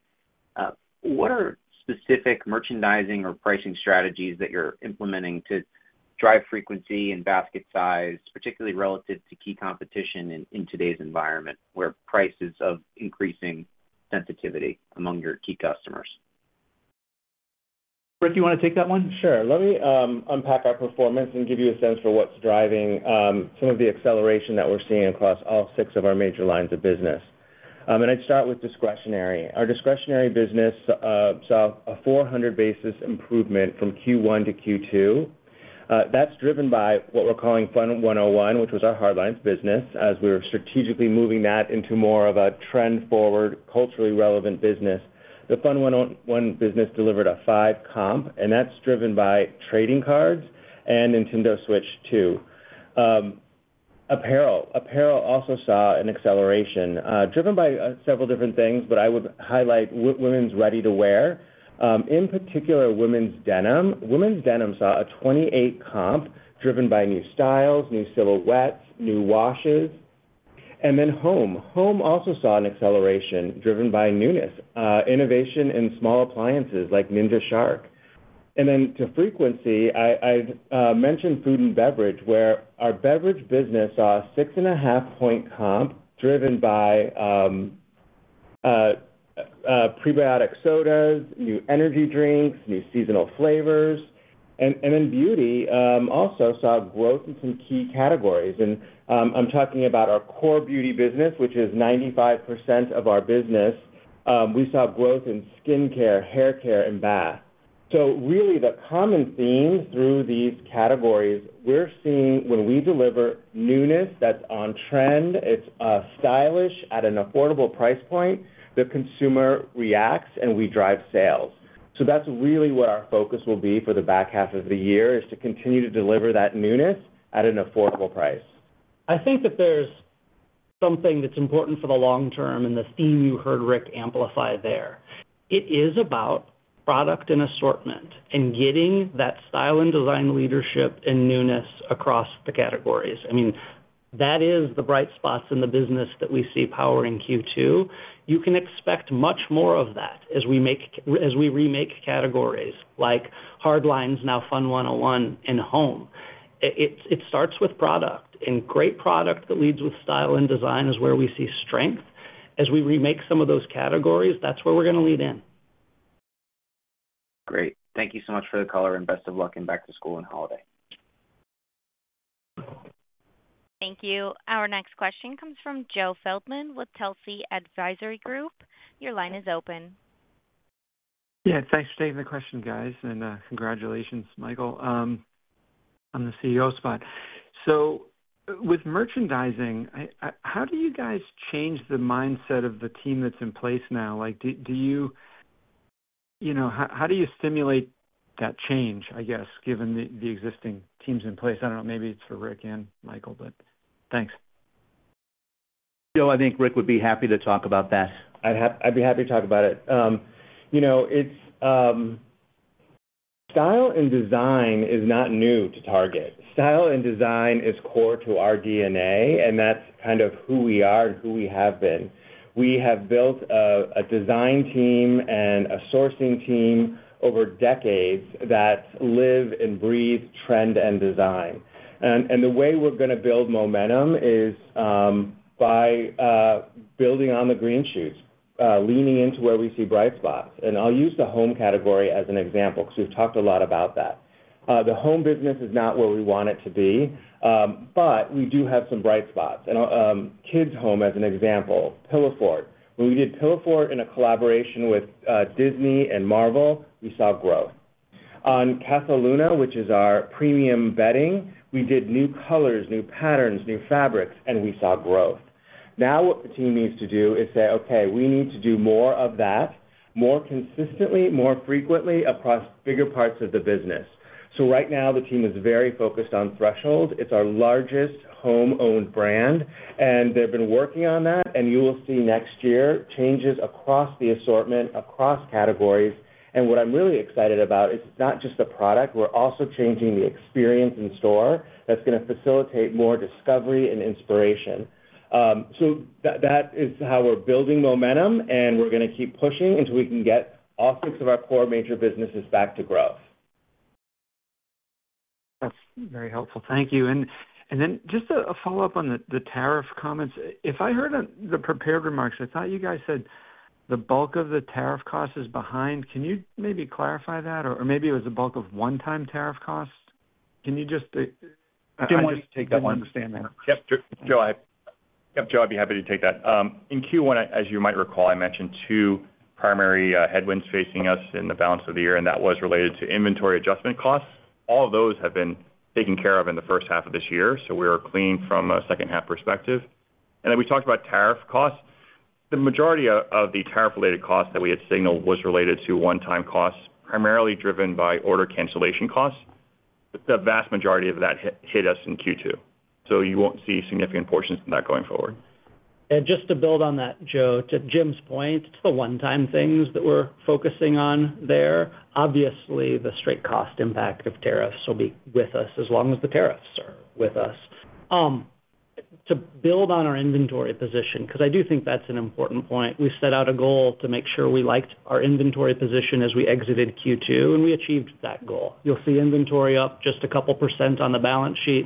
what are specific merchandising or pricing strategies that you're implementing to drive frequency and basket size, particularly relative to key competition in today's environment where prices have increasing sensitivity among your key customers? Rick, do you want to take that one? Sure. Let me unpack our performance and give you a sense for what's driving some of the acceleration that we're seeing across all six of our major lines of business. I'd start with discretionary. Our discretionary business saw a 400 basis point improvement from Q1 to Q2. That's driven by what we're calling Fun 101, which was our hardlines business, as we were strategically moving that into more of a trend-forward, culturally relevant business. The Fun 101 business delivered a 5% comp, and that's driven by trading cards and Nintendo Switch 2. Apparel also saw an acceleration driven by several different things, but I would highlight women's ready-to-wear, in particular, women's denim. Women's denim saw a 28% comp driven by new styles, new silhouettes, new washes. Home also saw an acceleration driven by newness, innovation in small appliances like Ninja Shark. Moving to frequency, I mentioned food and beverage, where our beverage business saw a 6.5% comp driven by prebiotic sodas, new energy drinks, new seasonal flavors. Beauty also saw growth in some key categories. I'm talking about our core beauty business, which is 95% of our business. We saw growth in skincare, hair care, and bath. The common themes through these categories we're seeing are when we deliver newness that's on trend, it's stylish at an affordable price point, the consumer reacts, and we drive sales. That's really what our focus will be for the back half of the year, to continue to deliver that newness at an affordable price. I think that there's something that's important for the long term and the theme you heard Rick amplify there. It is about product and assortment and getting that style and design leadership and newness across the categories. I mean, that is the bright spots in the business that we see powering Q2. You can expect much more of that as we remake categories like hardlines, now Fun 101, and home. It starts with product, and great product that leads with style and design is where we see strength. As we remake some of those categories, that's where we're going to lead in. Great. Thank you so much for the color and best of luck in back-to-school and holiday. Thank you. Our next question comes from Joe Feldman with Telsey Advisory Group. Your line is open. Yeah, thanks for taking the question, guys, and congratulations, Michael, on the CEO spot. With merchandising, how do you guys change the mindset of the team that's in place now? Do you, you know, how do you stimulate that change, I guess, given the existing teams in place? I don't know, maybe it's for Rick and Michael, but thanks. Joe, I think Rick would be happy to talk about that. I'd be happy to talk about it. You know, style and design is not new to Target. Style and design is core to our DNA, and that's kind of who we are and who we have been. We have built a design team and a sourcing team over decades that live and breathe trend and design. The way we're going to build momentum is by building on the green shoots, leaning into where we see bright spots. I'll use the home category as an example because we've talked a lot about that. The home business is not where we want it to be, but we do have some bright spots. Kids' home as an example, Pillowfort. When we did Pillowfort in a collaboration with Disney and Marvel, we saw growth. On Casaluna, which is our premium bedding, we did new colors, new patterns, new fabrics, and we saw growth. Now what the team needs to do is say, okay, we need to do more of that, more consistently, more frequently across bigger parts of the business. Right now, the team is very focused on Threshold. It's our largest home-owned brand, and they've been working on that. You will see next year changes across the assortment, across categories. What I'm really excited about is not just the product. We're also changing the experience in store that's going to facilitate more discovery and inspiration. That is how we're building momentum, and we're going to keep pushing until we can get all six of our core major businesses back to growth. That's very helpful. Thank you. Just a follow-up on the tariff comments. If I heard the prepared remarks, I thought you guys said the bulk of the tariff cost is behind. Can you maybe clarify that? Or maybe it was a bulk of one-time tariff cost? Can you just, I want to take that one. Yep, Joe, I'd be happy to take that. In Q1, as you might recall, I mentioned two primary headwinds facing us in the balance of the year, and that was related to inventory adjustment costs. All of those have been taken care of in the first half of this year, so we're clean from a second-half perspective. We talked about tariff costs. The majority of the tariff-related costs that we had signaled was related to one-time costs, primarily driven by order cancellation costs. The vast majority of that hit us in Q2. You won't see significant portions of that going forward. To build on that, Joe, to Jim's point, the one-time things that we're focusing on there, obviously the straight cost impact of tariffs will be with us as long as the tariffs are with us. To build on our inventory position, because I do think that's an important point, we set out a goal to make sure we liked our inventory position as we exited Q2, and we achieved that goal. You'll see inventory up just a couple percent on the balance sheet.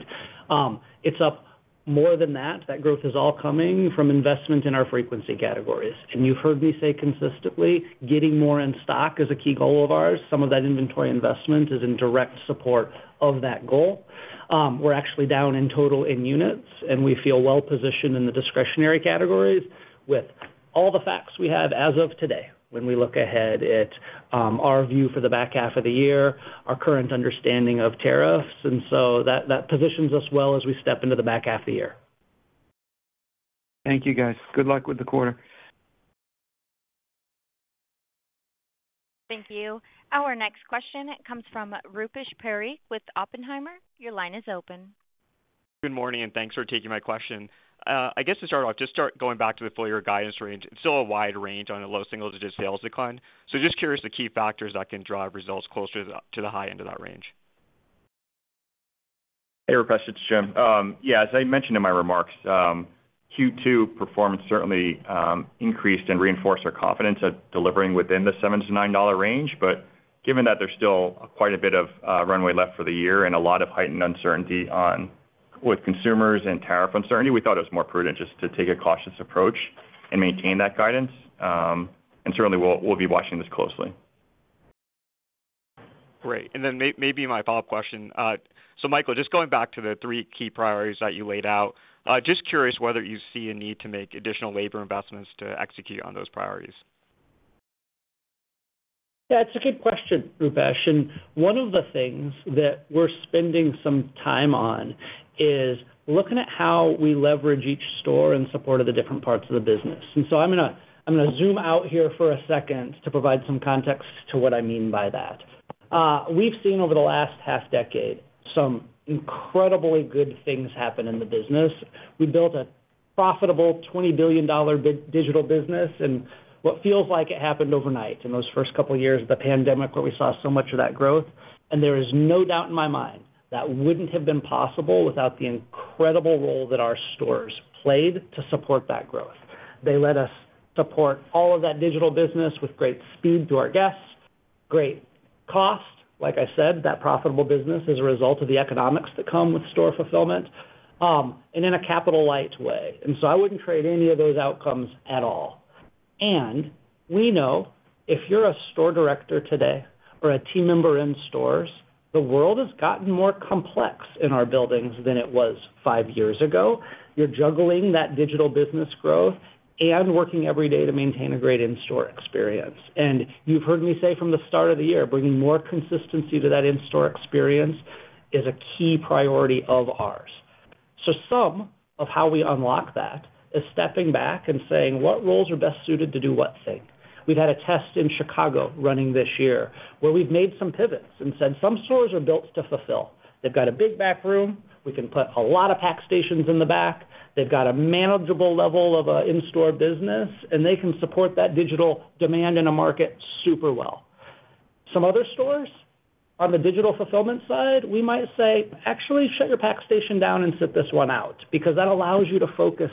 It's up more than that. That growth is all coming from investment in our frequency categories. You've heard me say consistently, getting more in stock is a key goal of ours. Some of that inventory investment is in direct support of that goal. We're actually down in total in units, and we feel well positioned in the discretionary categories with all the facts we have as of today when we look ahead at our view for the back half of the year, our current understanding of tariffs. That positions us well as we step into the back half of the year. Thank you, guys. Good luck with the quarter. Thank you. Our next question comes from Rupesh Parikh with Oppenheimer. Your line is open. Good morning, and thanks for taking my question. I guess to start off, just going back to the four-year guidance range. It's still a wide range on a low single-digit sales decline. Just curious the key factors that can drive results closer to the high end of that range. Hey. Hey, Rupesh. It's Jim. As I mentioned in my remarks, Q2 performance certainly increased and reinforced our confidence at delivering within the $7-$9 range. Given that there's still quite a bit of runway left for the year and a lot of heightened uncertainty with consumers and tariff uncertainty, we thought it was more prudent just to take a cautious approach and maintain that guidance. Certainly, we'll be watching this closely. Great. Maybe my follow-up question, Michael, just going back to the three key priorities that you laid out, just curious whether you see a need to make additional labor investments to execute on those priorities. Yeah, it's a good question, Rupesh. One of the things that we're spending some time on is looking at how we leverage each store in support of the different parts of the business. I'm going to zoom out here for a second to provide some context to what I mean by that. We've seen over the last half decade some incredibly good things happen in the business. We built a profitable $20 billion digital business, and what feels like it happened overnight in those first couple of years of the pandemic where we saw so much of that growth. There is no doubt in my mind that wouldn't have been possible without the incredible role that our stores played to support that growth. They let us support all of that digital business with great speed to our guests, great cost, like I said, that profitable business as a result of the economics that come with store fulfillment, and in a capital-light way. I wouldn't trade any of those outcomes at all. We know if you're a store director today or a team member in stores, the world has gotten more complex in our buildings than it was five years ago. You're juggling that digital business growth and working every day to maintain a great in-store experience. You've heard me say from the start of the year, bringing more consistency to that in-store experience is a key priority of ours. Some of how we unlock that is stepping back and saying, what roles are best suited to do what thing? We've had a test in Chicago running this year where we've made some pivots and said some stores are built to fulfill. They've got a big back room. We can put a lot of pack stations in the back. They've got a manageable level of an in-store business, and they can support that digital demand in a market super well. Some other stores on the digital fulfillment side, we might say, actually, shut your pack station down and sit this one out because that allows you to focus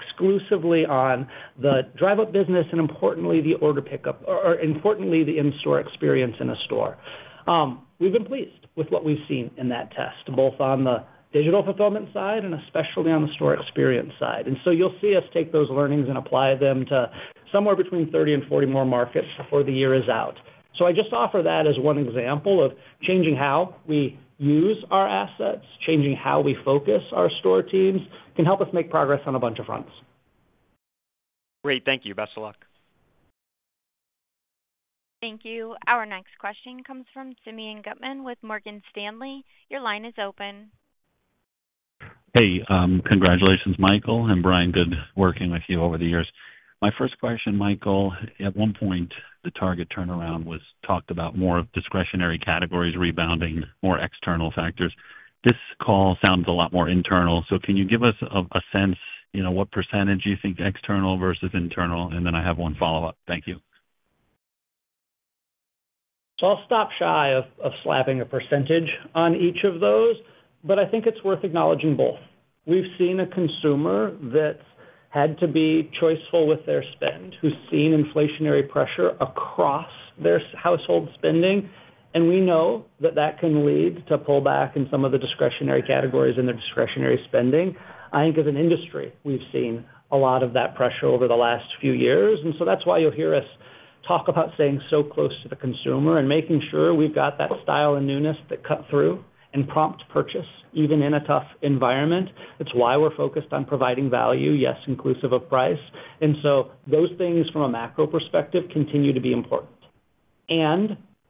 exclusively on the drive-up business and, importantly, the order pickup or, importantly, the in-store experience in a store. We've been pleased with what we've seen in that test, both on the digital fulfillment side and especially on the store experience side. You'll see us take those learnings and apply them to somewhere between 30 and 40 more markets before the year is out. I just offer that as one example of changing how we use our assets, changing how we focus our store teams can help us make progress on a bunch of fronts. Great. Thank you. Best of luck. Thank you. Our next question comes from Simeon Gutman with Morgan Stanley. Your line is open. Hey, congratulations, Michael. Brian, good working with you over the years. My first question, Michael, at one point, the Target turnaround was talked about more of discretionary categories rebounding, more external factors. This call sounds a lot more internal. Can you give us a sense of what percentage you think external versus internal? I have one follow-up. Thank you. I'll stop shy of slapping a percentage on each of those, but I think it's worth acknowledging both. We've seen a consumer that's had to be choiceful with their spend, who's seen inflationary pressure across their household spending. We know that can lead to pullback in some of the discretionary categories and their discretionary spending. I think as an industry, we've seen a lot of that pressure over the last few years. That's why you'll hear us talk about staying so close to the consumer and making sure we've got that style and newness that cut through and prompt purchase, even in a tough environment. It's why we're focused on providing value, yes, inclusive of price. Those things from a macro perspective continue to be important.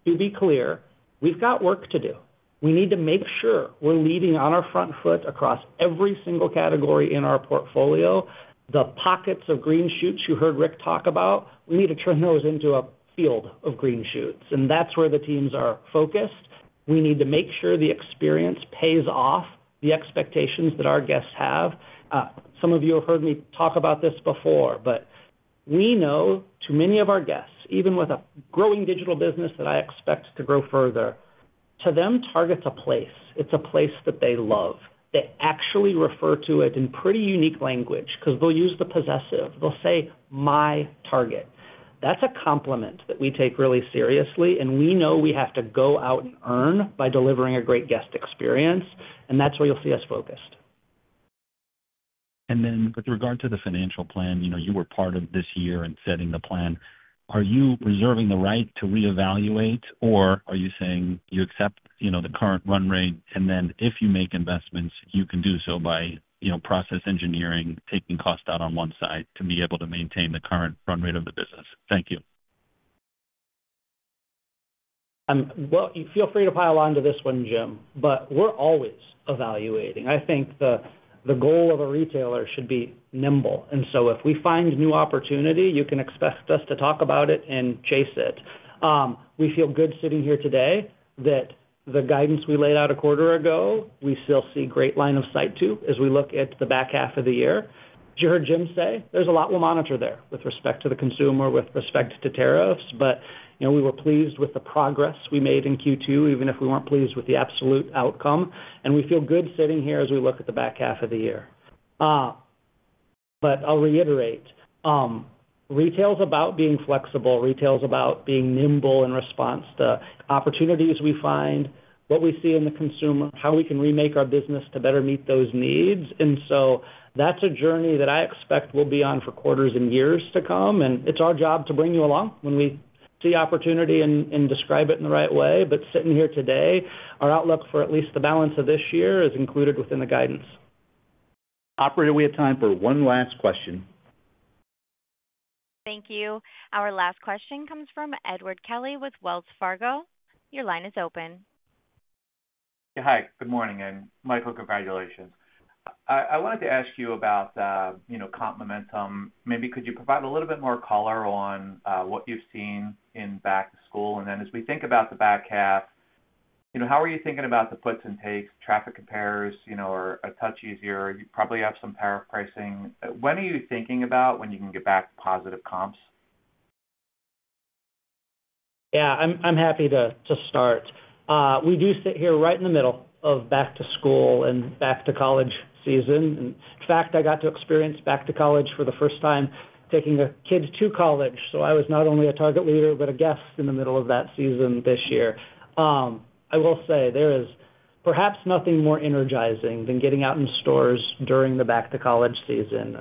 To be clear, we've got work to do. We need to make sure we're leading on our front foot across every single category in our portfolio. The pockets of green shoots you heard Rick talk about, we need to turn those into a field of green shoots. That's where the teams are focused. We need to make sure the experience pays off the expectations that our guests have. Some of you have heard me talk about this before, but we know to many of our guests, even with a growing digital business that I expect to grow further, to them, Target's a place. It's a place that they love. They actually refer to it in pretty unique language because they'll use the possessive. They'll say, "My Target." That's a compliment that we take really seriously. We know we have to go out and earn by delivering a great guest experience. That's where you'll see us focused. With regard to the financial plan, you were part of this year in setting the plan. Are you reserving the right to reevaluate, or are you saying you accept the current run rate and if you make investments, you can do so by process engineering, taking costs out on one side to be able to maintain the current run rate of the business? Thank you. Feel free to pile on to this one, Jim. We're always evaluating. I think the goal of a retailer should be nimble. If we find new opportunity, you can expect us to talk about it and chase it. We feel good sitting here today that the guidance we laid out a quarter ago, we still see great line of sight to as we look at the back half of the year. As you heard Jim say, there's a lot we'll monitor there with respect to the consumer, with respect to tariffs. We were pleased with the progress we made in Q2, even if we weren't pleased with the absolute outcome. We feel good sitting here as we look at the back half of the year. I'll reiterate, retail's about being flexible. Retail's about being nimble in response to opportunities we find, what we see in the consumer, how we can remake our business to better meet those needs. That's a journey that I expect we'll be on for quarters and years to come. It's our job to bring you along when we see opportunity and describe it in the right way. Sitting here today, our outlook for at least the balance of this year is included within the guidance. Operator, we have time for one last question. Thank you. Our last question comes from Edward Kelly with Wells Fargo. Your line is open. Yeah, hi. Good morning. Michael, congratulations. I wanted to ask you about comp momentum. Maybe could you provide a little bit more color on what you've seen in back-to-school? As we think about the back half, you know, how are you thinking about the puts and takes? Traffic compares are a touch easier. You probably have some tariff pricing. When are you thinking about when you can get back to positive comps? Yeah, I'm happy to start. We do sit here right in the middle of back-to-school and back-to-college season. In fact, I got to experience back-to-college for the first time, taking kids to college. I was not only a Target leader, but a guest in the middle of that season this year. I will say there is perhaps nothing more energizing than getting out in stores during the back-to-college season.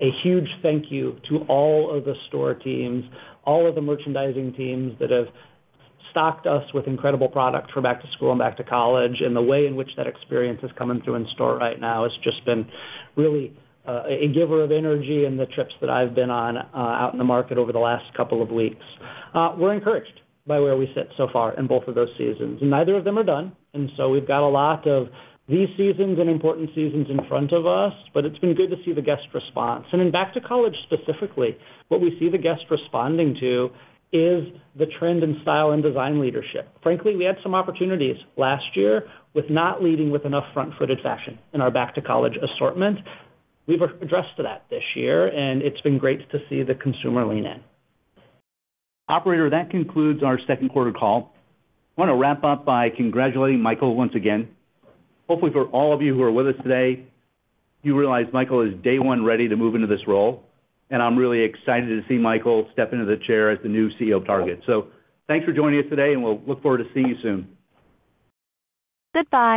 A huge thank you to all of the store teams, all of the merchandising teams that have stocked us with incredible product for back-to-school and back-to-college. The way in which that experience is coming through in store right now has just been really a giver of energy in the trips that I've been on out in the market over the last couple of weeks. We're encouraged by where we sit so far in both of those seasons. Neither of them are done. We've got a lot of these seasons and important seasons in front of us. It's been good to see the guest response. In back-to-college specifically, what we see the guests responding to is the trend in style and design leadership. Frankly, we had some opportunities last year with not leading with enough front-footed fashion in our back-to-college assortment. We've addressed that this year, and it's been great to see the consumer lean in. Operator, that concludes our second quarter call. I want to wrap up by congratulating Michael once again. Hopefully, for all of you who are with us today, you realize Michael is day one ready to move into this role. I'm really excited to see Michael step into the chair as the new CEO of Target. Thanks for joining us today, and we'll look forward to seeing you soon. Good bye.